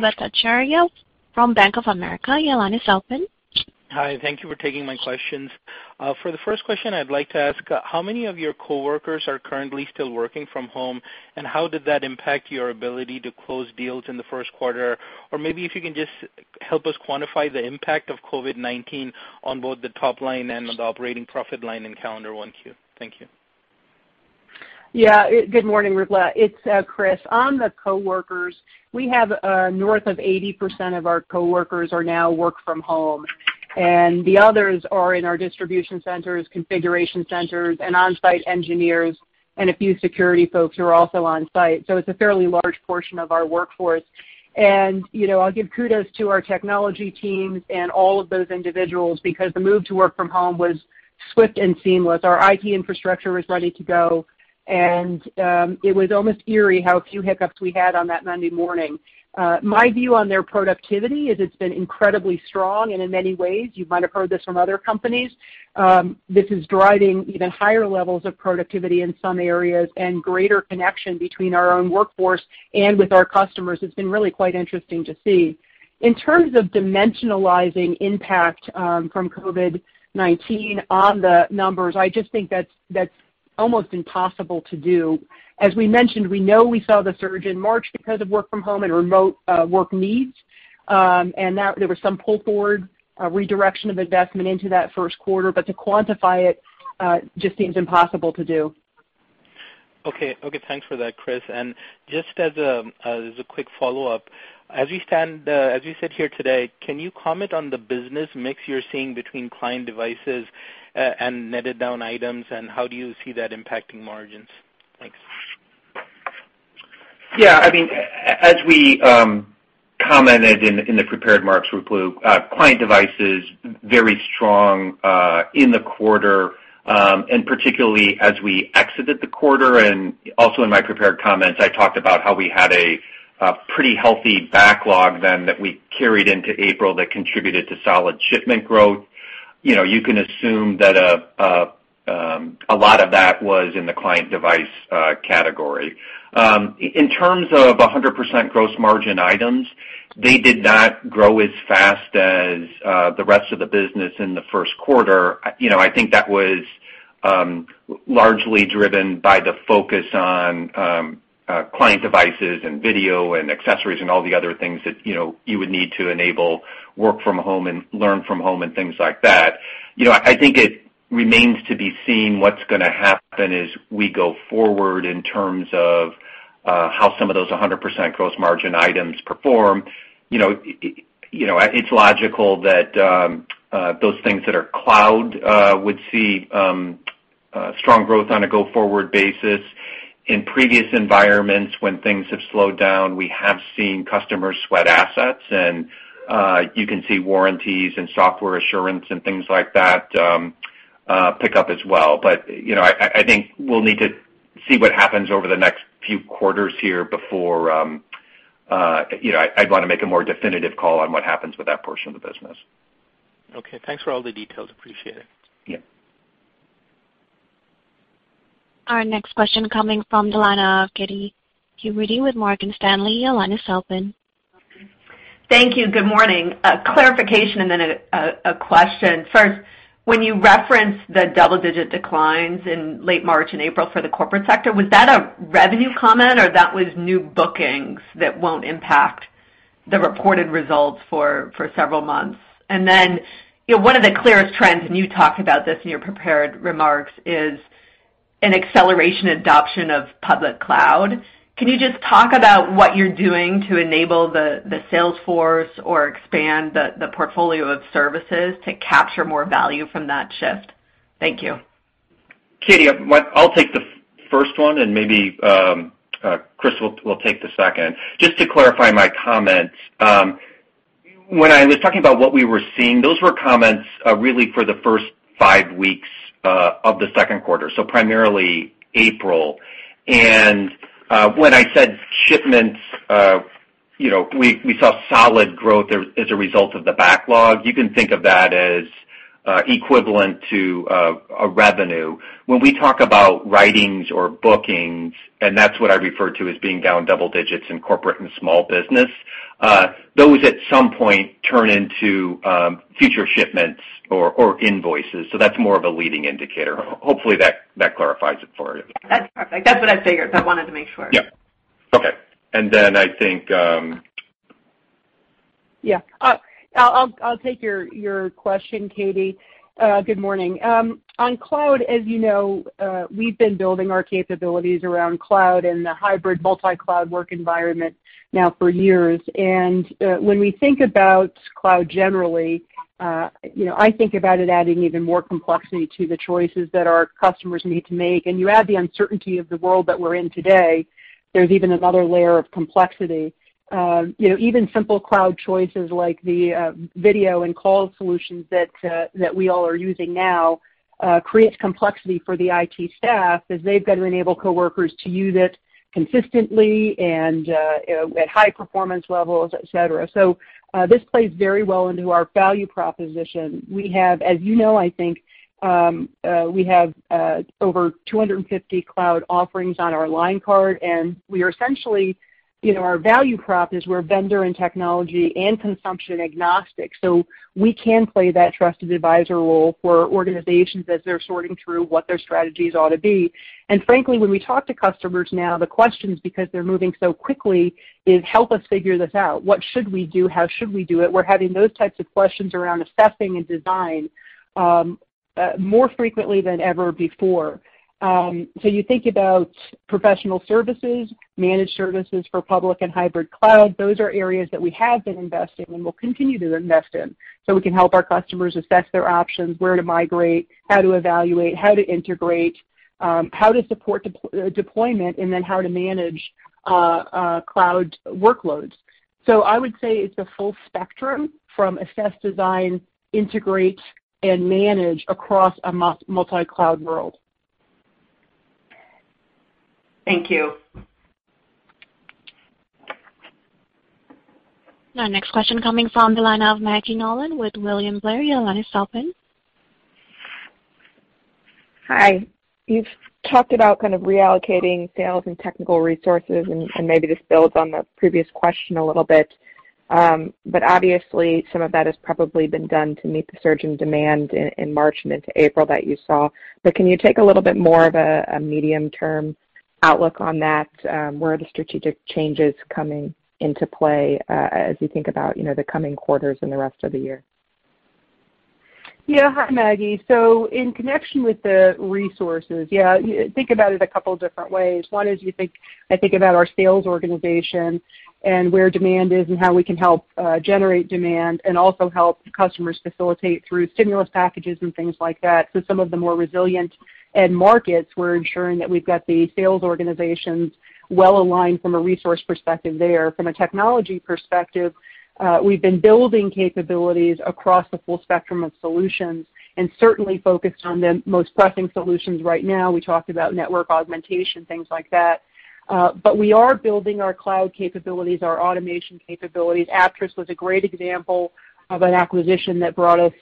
Bhattacharya from Bank of America. your line is open. Hi. Thank you for taking my questions. For the first question, I'd like to ask how many of your coworkers are currently still working from home, and how did that impact your ability to close deals in the Q1? Or maybe if you can just help us quantify the impact of COVID-19 on both the top line and the operating profit line in calendar 1Q? Thank you. Yeah. Good morning, Ruplu. It's Chris. On the coworkers, we have north of 80% of our coworkers who now work from home, and the others are in our distribution centers, configuration centers, and on-site engineers, and a few security folks who are also on-site. So it's a fairly large portion of our workforce, and I'll give kudos to our technology teams and all of those individuals because the move to work from home was swift and seamless. Our IT infrastructure was ready to go, and it was almost eerie how few hiccups we had on that Monday morning. My view on their productivity is it's been incredibly strong, and in many ways, you might have heard this from other companies, this is driving even higher levels of productivity in some areas and greater connection between our own workforce and with our customers. It's been really quite interesting to see. In terms of dimensionalizing impact from COVID-19 on the numbers, I just think that's almost impossible to do. As we mentioned, we know we saw the surge in March because of work from home and remote work needs, and there was some pull forward, a redirection of investment into that Q1, but to quantify it just seems impossible to do. Okay. Okay. Thanks for that, Chris, and just as a quick follow-up, as we stand, as we sit here today, can you comment on the business mix you're seeing between client devices and netted down items, and how do you see that impacting margins? Thanks. Yeah. I mean, as we commented in the prepared remarks, Ruplu, client devices very strong in the quarter, and particularly as we exited the quarter. And also in my prepared comments, I talked about how we had a pretty healthy backlog then that we carried into April that contributed to solid shipment growth. You can assume that a lot of that was in the client device category. In terms of 100% gross margin items, they did not grow as fast as the rest of the business in the Q1. I think that was largely driven by the focus on client devices and video and accessories and all the other things that you would need to enable work from home and learn from home and things like that. I think it remains to be seen what's going to happen as we go forward in terms of how some of those 100% gross margin items perform. It's logical that those things that are cloud would see strong growth on a go-forward basis. In previous environments, when things have slowed down, we have seen customers sweat assets. And you can see warranties and software assurance and things like that pick up as well. But I think we'll need to see what happens over the next few quarters here before I'd want to make a more definitive call on what happens with that portion of the business. Okay. Thanks for all the details. Appreciate it. Yeah. Our next question coming from the line of Katy Huberty with Morgan Stanley. Thank you. Good morning. A clarification and then a question. First, when you referenced the double-digit declines in late March and April for the corporate sector, was that a revenue comment or that was new bookings that won't impact the reported results for several months? And then one of the clearest trends, and you talked about this in your prepared remarks, is an accelerated adoption of public cloud. Can you just talk about what you're doing to enable the sales force or expand the portfolio of services to capture more value from that shift? Thank you. Katy, I'll take the first one, and maybe Chris will take the second. Just to clarify my comments, when I was talking about what we were seeing, those were comments really for the first five weeks of the second quarter, so primarily April. And when I said shipments, we saw solid growth as a result of the backlog. You can think of that as equivalent to a revenue. When we talk about writings or bookings, and that's what I refer to as being down double digits in corporate and small business, those at some point turn into future shipments or invoices. So that's more of a leading indicator. Hopefully, that clarifies it for you. That's perfect. That's what I figured. I wanted to make sure. Yeah. Okay. And then I think. Yeah. I'll take your question, Katie. Good morning. On cloud, as you know, we've been building our capabilities around cloud and the hybrid multi-cloud work environment now for years. And when we think about cloud generally, I think about it adding even more complexity to the choices that our customers need to make. And you add the uncertainty of the world that we're in today, there's even another layer of complexity. Even simple cloud choices like the video and call solutions that we all are using now create complexity for the IT staff as they've got to enable coworkers to use it consistently and at high performance levels, etc. So this plays very well into our value proposition. We have, as you know, I think we have over 250 cloud offerings on our line card. And we are essentially our value prop is we're vendor and technology and consumption agnostic. So we can play that trusted advisor role for organizations as they're sorting through what their strategies ought to be. And frankly, when we talk to customers now, the questions because they're moving so quickly is, "Help us figure this out. What should we do? How should we do it?" We're having those types of questions around assessing and design more frequently than ever before. So you think about professional services, managed services for public and hybrid cloud. Those are areas that we have been investing and will continue to invest in so we can help our customers assess their options, where to migrate, how to evaluate, how to integrate, how to support deployment, and then how to manage cloud workloads. So I would say it's the full spectrum from assess, design, integrate, and manage across a multi-cloud world. Thank you. Our next question coming from the line of Maggie Nolan with William Blair your line is open. Hi. You've talked about kind of reallocating sales and technical resources, and maybe this builds on the previous question a little bit. But obviously, some of that has probably been done to meet the surge in demand in March and into April that you saw. But can you take a little bit more of a medium-term outlook on that? Where are the strategic changes coming into play as you think about the coming quarters and the rest of the year? Yeah. Hi, Maggie. So in connection with the resources, yeah, think about it a couple of different ways. One is I think about our sales organization and where demand is and how we can help generate demand and also help customers facilitate through stimulus packages and things like that. So some of the more resilient end markets, we're ensuring that we've got the sales organizations well aligned from a resource perspective there. From a technology perspective, we've been building capabilities across the full spectrum of solutions and certainly focused on the most pressing solutions right now. We talked about network augmentation, things like that. But we are building our cloud capabilities, our automation capabilities. Aptris was a great example of an acquisition that brought us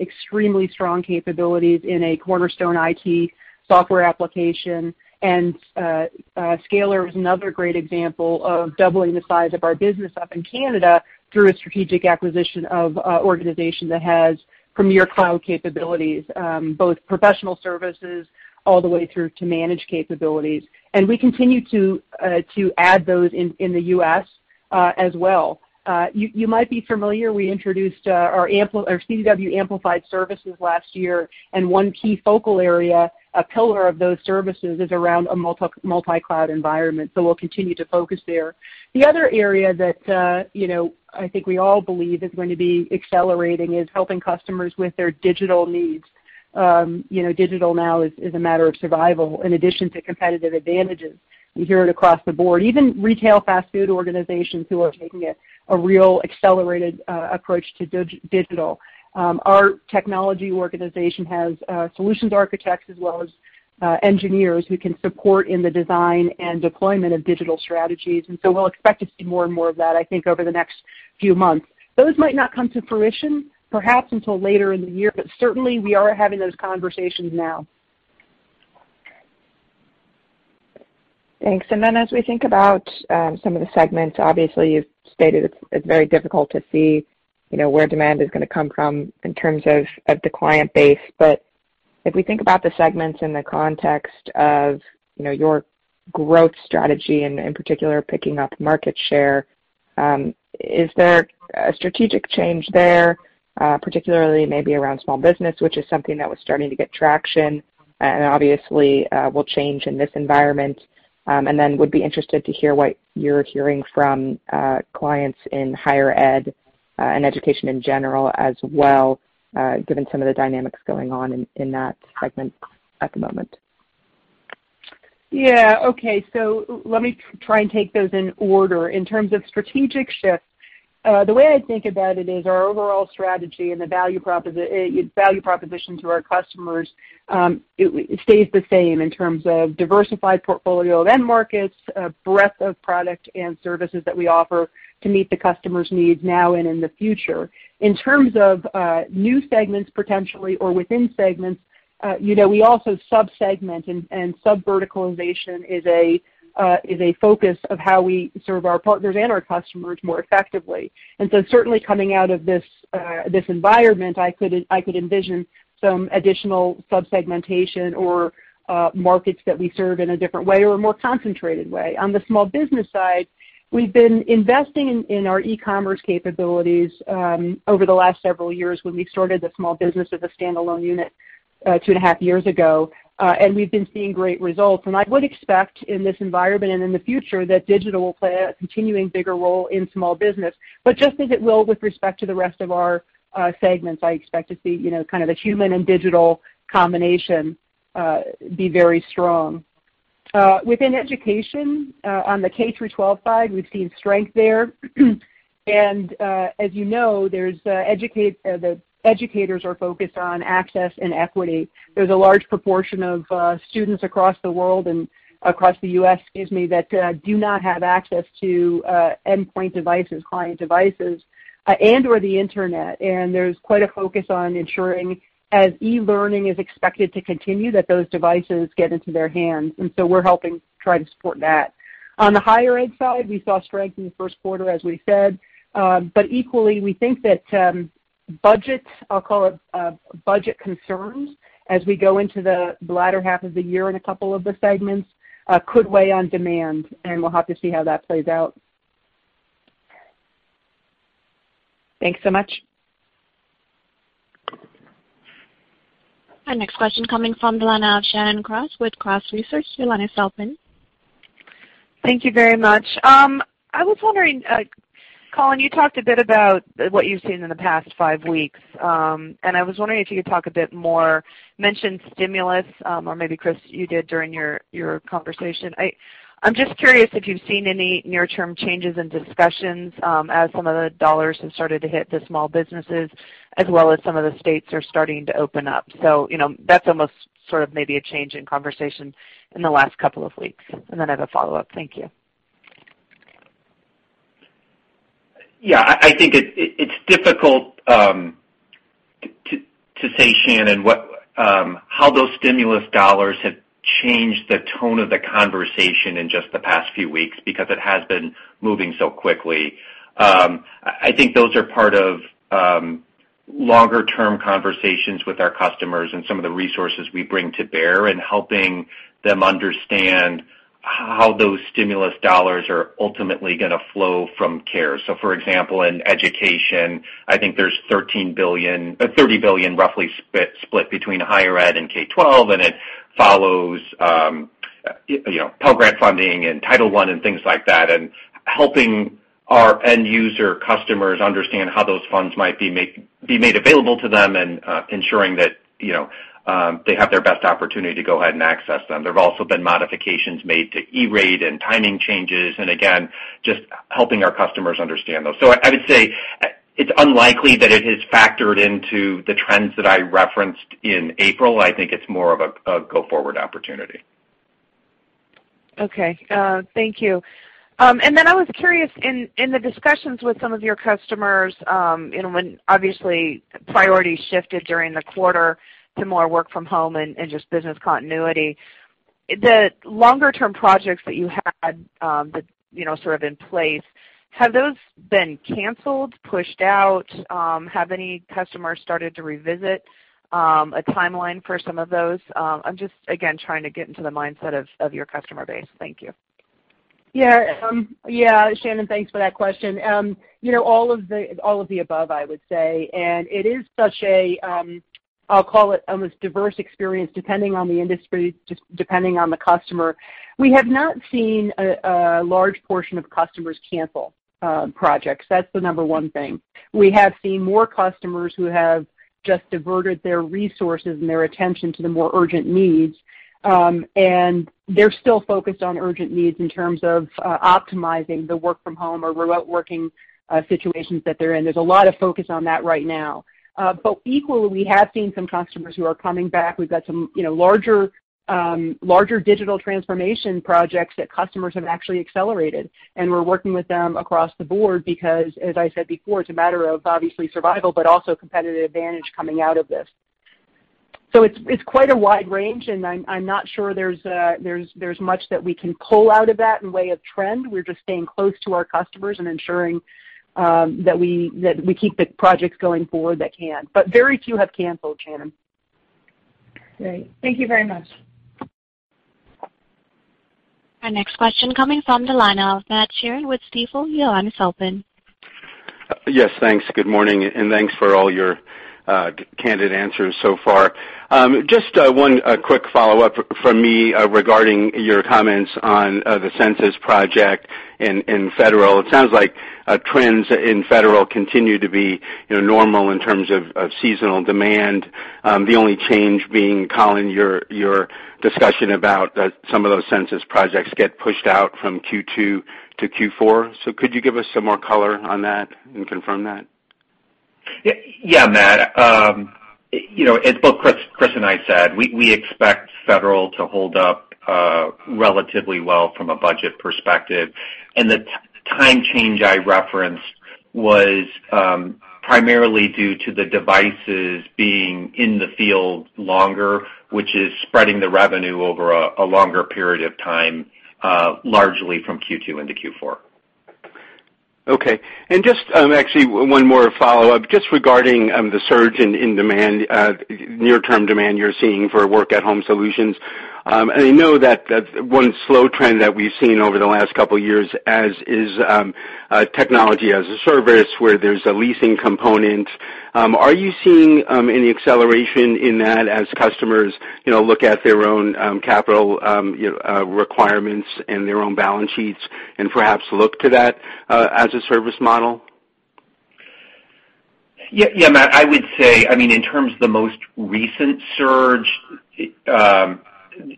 extremely strong capabilities in a cornerstone IT software application. Scalar is another great example of doubling the size of our business up in Canada through a strategic acquisition of an organization that has premier cloud capabilities, both professional services all the way through to managed capabilities. We continue to add those in the U.S. as well. You might be familiar. We introduced our CDW Amplified Services last year, and one key focal area, a pillar of those services, is around a multi-cloud environment. We'll continue to focus there. The other area that I think we all believe is going to be accelerating is helping customers with their digital needs. Digital now is a matter of survival in addition to competitive advantages. We hear it across the board. Even retail fast food organizations who are taking a real accelerated approach to digital. Our technology organization has solutions architects as well as engineers who can support in the design and deployment of digital strategies. And so we'll expect to see more and more of that, I think, over the next few months. Those might not come to fruition, perhaps until later in the year, but certainly we are having those conversations now. Thanks. And then as we think about some of the segments, obviously, you've stated it's very difficult to see where demand is going to come from in terms of the client base. But if we think about the segments in the context of your growth strategy and in particular picking up market share, is there a strategic change there, particularly maybe around small business, which is something that was starting to get traction and obviously will change in this environment? And then would be interested to hear what you're hearing from clients in higher ed and education in general as well, given some of the dynamics going on in that segment at the moment. Yeah. Okay. So let me try and take those in order. In terms of strategic shifts, the way I think about it is our overall strategy and the value proposition to our customers stays the same in terms of diversified portfolio of end markets, breadth of product and services that we offer to meet the customer's needs now and in the future. In terms of new segments potentially or within segments, we also subsegment, and subverticalization is a focus of how we serve our partners and our customers more effectively. And so certainly coming out of this environment, I could envision some additional subsegmentation or markets that we serve in a different way or a more concentrated way. On the small business side, we've been investing in our e-commerce capabilities over the last several years when we started the small business as a standalone unit two and a half years ago. And we've been seeing great results. And I would expect in this environment and in the future that digital will play a continuing bigger role in small business. But just as it will with respect to the rest of our segments, I expect to see kind of a human and digital combination be very strong. Within education, on the K-12 side, we've seen strength there. And as you know, the educators are focused on access and equity. There's a large proportion of students across the world and across the U.S., excuse me, that do not have access to endpoint devices, client devices, and/or the internet. There's quite a focus on ensuring, as e-learning is expected to continue, that those devices get into their hands. And so we're helping try to support that. On the higher ed side, we saw strength in the Q1, as we said. But equally, we think that budget, I'll call it budget concerns, as we go into the latter half of the year in a couple of the segments, could weigh on demand. And we'll have to see how that plays out. Thanks so much. Our next question coming from the line of Shannon Cross with Cross Research, your line is open. Thank you very much. I was wondering, Collin, you talked a bit about what you've seen in the past five weeks. And I was wondering if you could talk a bit more, mention stimulus, or maybe Chris, you did during your conversation. I'm just curious if you've seen any near-term changes in discussions as some of the dollars have started to hit the small businesses, as well as some of the states are starting to open up. So that's almost sort of maybe a change in conversation in the last couple of weeks. And then I have a follow-up. Thank you. Yeah. I think it's difficult to say, Shannon, how those stimulus dollars have changed the tone of the conversation in just the past few weeks because it has been moving so quickly. I think those are part of longer-term conversations with our customers and some of the resources we bring to bear in helping them understand how those stimulus dollars are ultimately going to flow from CARES. So for example, in education, I think there's roughly $30 billion split between higher ed and K-12, and it follows Pell Grant funding and Title I and things like that, and helping our end user customers understand how those funds might be made available to them and ensuring that they have their best opportunity to go ahead and access them. There've also been modifications made to E-rate and timing changes, and again, just helping our customers understand those. So I would say it's unlikely that it has factored into the trends that I referenced in April. I think it's more of a go-forward opportunity. Okay. Thank you. And then I was curious, in the discussions with some of your customers, when obviously priorities shifted during the quarter to more work from home and just business continuity, the longer-term projects that you had sort of in place, have those been canceled, pushed out? Have any customers started to revisit a timeline for some of those? I'm just, again, trying to get into the mindset of your customer base. Thank you. Yeah. Yeah. Shannon, thanks for that question. All of the above, I would say. And it is such a, I'll call it almost diverse experience depending on the industry, depending on the customer. We have not seen a large portion of customers cancel projects. That's the number one thing. We have seen more customers who have just diverted their resources and their attention to the more urgent needs. And they're still focused on urgent needs in terms of optimizing the work from home or remote working situations that they're in. There's a lot of focus on that right now. But equally, we have seen some customers who are coming back. We've got some larger digital transformation projects that customers have actually accelerated. And we're working with them across the board because, as I said before, it's a matter of obviously survival, but also competitive advantage coming out of this. So it's quite a wide range, and I'm not sure there's much that we can pull out of that in way of trend. We're just staying close to our customers and ensuring that we keep the projects going forward that can. But very few have canceled, Shannon. Great. Thank you very much. Our next question coming from the line of Matt Sheerin with Stifel, your line is open. Yes. Thanks. Good morning. And thanks for all your candid answers so far. Just one quick follow-up from me regarding your comments on the Census Project in Federal. It sounds like trends in Federal continue to be normal in terms of seasonal demand. The only change being, Collin, your discussion about some of those Census Projects get pushed out from Q2 to Q4. So could you give us some more color on that and confirm that? Yeah, Matt. It's what Chris and I said. We expect Federal to hold up relatively well from a budget perspective. And the time change I referenced was primarily due to the devices being in the field longer, which is spreading the revenue over a longer period of time, largely from Q2 into Q4. Okay. And just actually one more follow-up, just regarding the surge in demand, near-term demand you're seeing for work-at-home solutions. And I know that one slow trend that we've seen over the last couple of years is technology as a service where there's a leasing component. Are you seeing any acceleration in that as customers look at their own capital requirements and their own balance sheets and perhaps look to that as a service model? Yeah, Matt. I would say, I mean, in terms of the most recent surge,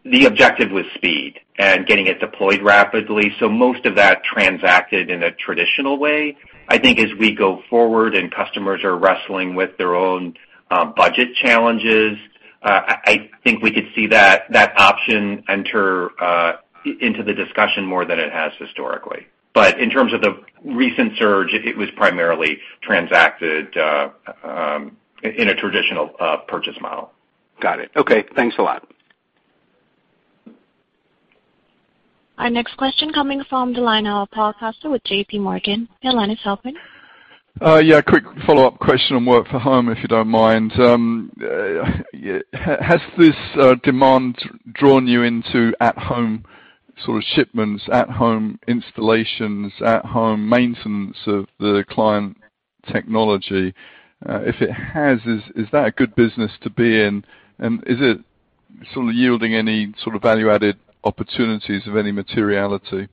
the objective was speed and getting it deployed rapidly. So most of that transacted in a traditional way. I think as we go forward and customers are wrestling with their own budget challenges, I think we could see that option enter into the discussion more than it has historically. But in terms of the recent surge, it was primarily transacted in a traditional purchase model. Got it. Okay. Thanks a lot. Our next question coming from the line of Paul Coster with JPMorgan. your line is open. Yeah. Quick follow-up question on work from home, if you don't mind. Has this demand drawn you into at-home sort of shipments, at-home installations, at-home maintenance of the client technology? If it has, is that a good business to be in? And is it sort of yielding any sort of value-added opportunities of any materiality?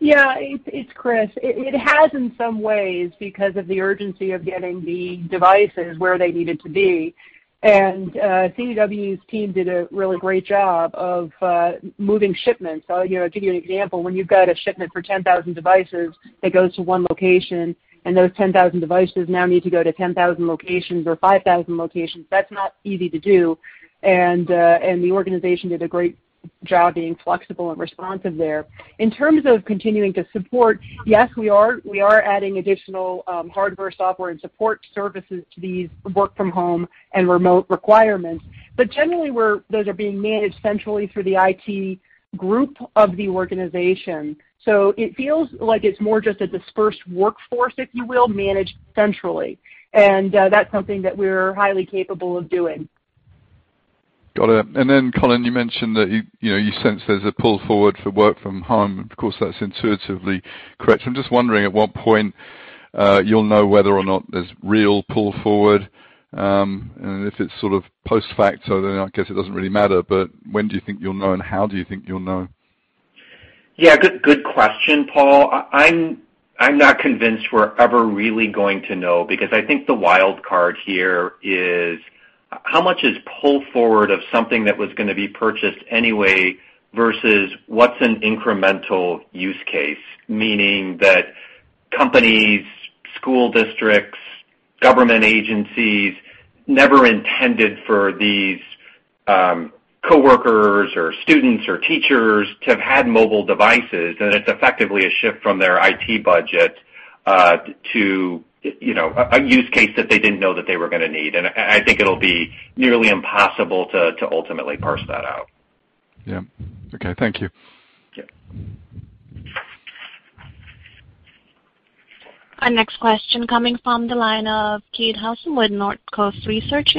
Yeah. It's Chris. It has in some ways because of the urgency of getting the devices where they needed to be. And CDW's team did a really great job of moving shipments. I'll give you an example. When you've got a shipment for 10,000 devices that goes to one location, and those 10,000 devices now need to go to 10,000 locations or 5,000 locations, that's not easy to do. And the organization did a great job being flexible and responsive there. In terms of continuing to support, yes, we are adding additional hardware, software, and support services to these work-from-home and remote requirements. But generally, those are being managed centrally through the IT group of the organization. So it feels like it's more just a dispersed workforce, if you will, managed centrally. And that's something that we're highly capable of doing. Got it. And then, Collin, you mentioned that you sense there's a pull forward for work from home. Of course, that's intuitively correct. I'm just wondering at what point you'll know whether or not there's real pull forward. And if it's sort of post-fact, then I guess it doesn't really matter. But when do you think you'll know, and how do you think you'll know? Yeah. Good question, Paul. I'm not convinced we're ever really going to know because I think the wild card here is how much is pull forward of something that was going to be purchased anyway versus what's an incremental use case, meaning that companies, school districts, government agencies never intended for these coworkers or students or teachers to have had mobile devices. And it's effectively a shift from their IT budget to a use case that they didn't know that they were going to need. And I think it'll be nearly impossible to ultimately parse that out. Yeah. Okay. Thank you. Our next question coming from the line of Keith Housum with Northcoast Research.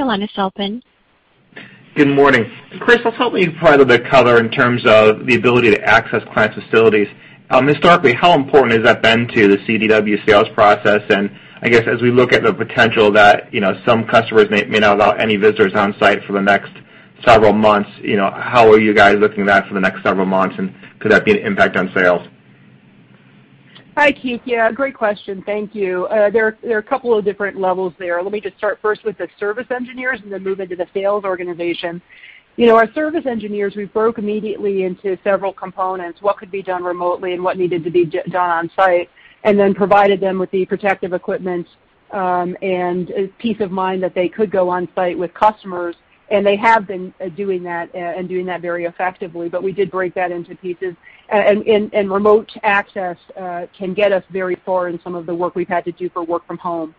Good morning. Chris, I'll start with the color in terms of the ability to access client facilities. Historically, how important has that been to the CDW sales process? And I guess as we look at the potential that some customers may not allow any visitors on site for the next several months, how are you guys looking at that for the next several months? And could that be an impact on sales? Hi, Keith. Yeah. Great question. Thank you. There are a couple of different levels there. Let me just start first with the service engineers and then move into the sales organization. Our service engineers, we broke immediately into several components: what could be done remotely and what needed to be done on site, and then provided them with the protective equipment and peace of mind that they could go on site with customers, and they have been doing that and doing that very effectively, but we did break that into pieces, and remote access can get us very far in some of the work we've had to do for work from home.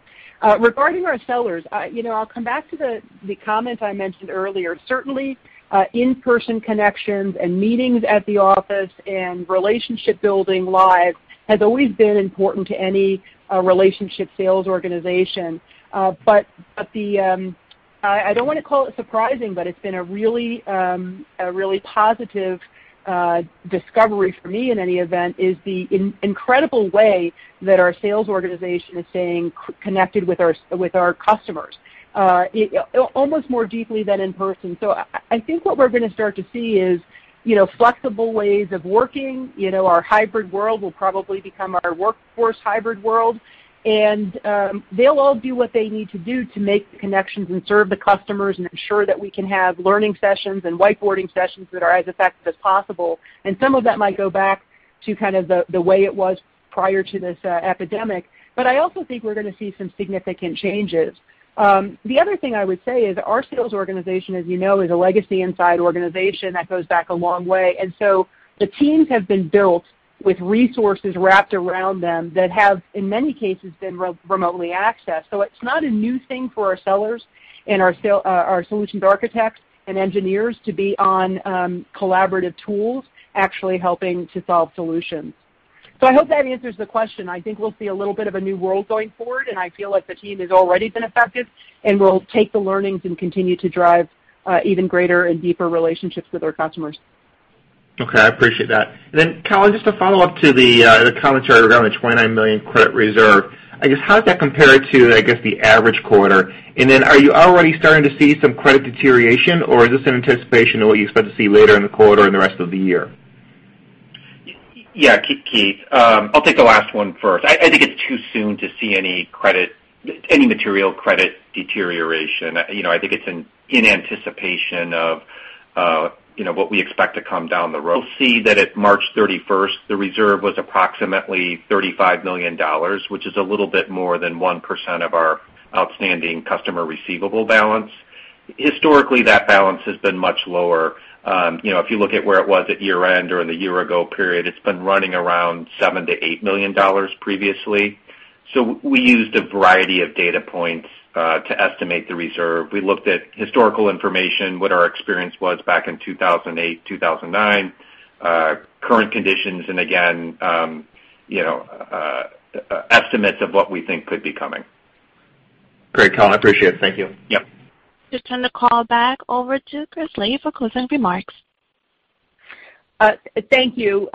Regarding our sellers, I'll come back to the comment I mentioned earlier. Certainly, in-person connections and meetings at the office and relationship building live has always been important to any relationship sales organization. But I don't want to call it surprising, but it's been a really positive discovery for me in any event: the incredible way that our sales organization is staying connected with our customers, almost more deeply than in person. So I think what we're going to start to see is flexible ways of working. Our hybrid world will probably become our workforce hybrid world. And they'll all do what they need to do to make the connections and serve the customers and ensure that we can have learning sessions and whiteboarding sessions that are as effective as possible. And some of that might go back to kind of the way it was prior to this epidemic. But I also think we're going to see some significant changes. The other thing I would say is our sales organization, as you know, is a legacy inside organization that goes back a long way. And so the teams have been built with resources wrapped around them that have, in many cases, been remotely accessed. So it's not a new thing for our sellers and our solutions architects and engineers to be on collaborative tools, actually helping to solve solutions. So I hope that answers the question. I think we'll see a little bit of a new world going forward. And I feel like the team has already been effective, and we'll take the learnings and continue to drive even greater and deeper relationships with our customers. Okay. I appreciate that. And then, Collin, just a follow-up to the commentary regarding the $29 million credit reserve. I guess, how does that compare to, I guess, the average quarter? And then are you already starting to see some credit deterioration, or is this in anticipation of what you expect to see later in the quarter and the rest of the year? Yeah, Keith. I'll take the last one first. I think it's too soon to see any material credit deterioration. I think it's in anticipation of what we expect to come down the pike. You can see that at March 31st, the reserve was approximately $35 million, which is a little bit more than 1% of our outstanding customer receivable balance. Historically, that balance has been much lower. If you look at where it was at year-end or in the year-ago period, it's been running around $7-$8 million previously. So we used a variety of data points to estimate the reserve. We looked at historical information, what our experience was back in 2008, 2009, current conditions, and again, estimates of what we think could be coming. Great, Collin. I appreciate it. Thank you. Just turn the call back over to Chris Leahy for closing remarks. Thank you.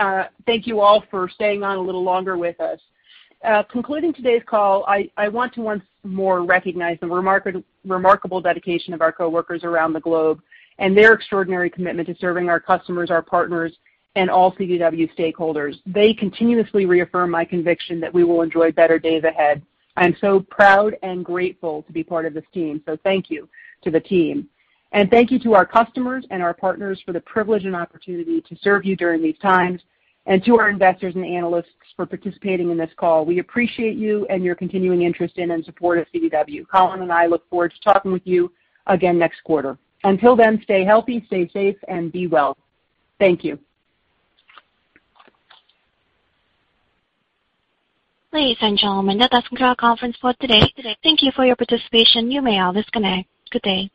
Thank you all for staying on a little longer with us. Concluding today's call, I want to once more recognize the remarkable dedication of our coworkers around the globe and their extraordinary commitment to serving our customers, our partners, and all CDW stakeholders. They continuously reaffirm my conviction that we will enjoy better days ahead. I am so proud and grateful to be part of this team. So thank you to the team. And thank you to our customers and our partners for the privilege and opportunity to serve you during these times, and to our investors and analysts for participating in this call. We appreciate you and your continuing interest in and support of CDW. Collin and I look forward to talking with you again next quarter. Until then, stay healthy, stay safe, and be well. Thank you. Ladies and gentlemen, that does conclude our conference for today. Thank you for your participation. You may all disconnect. Good day.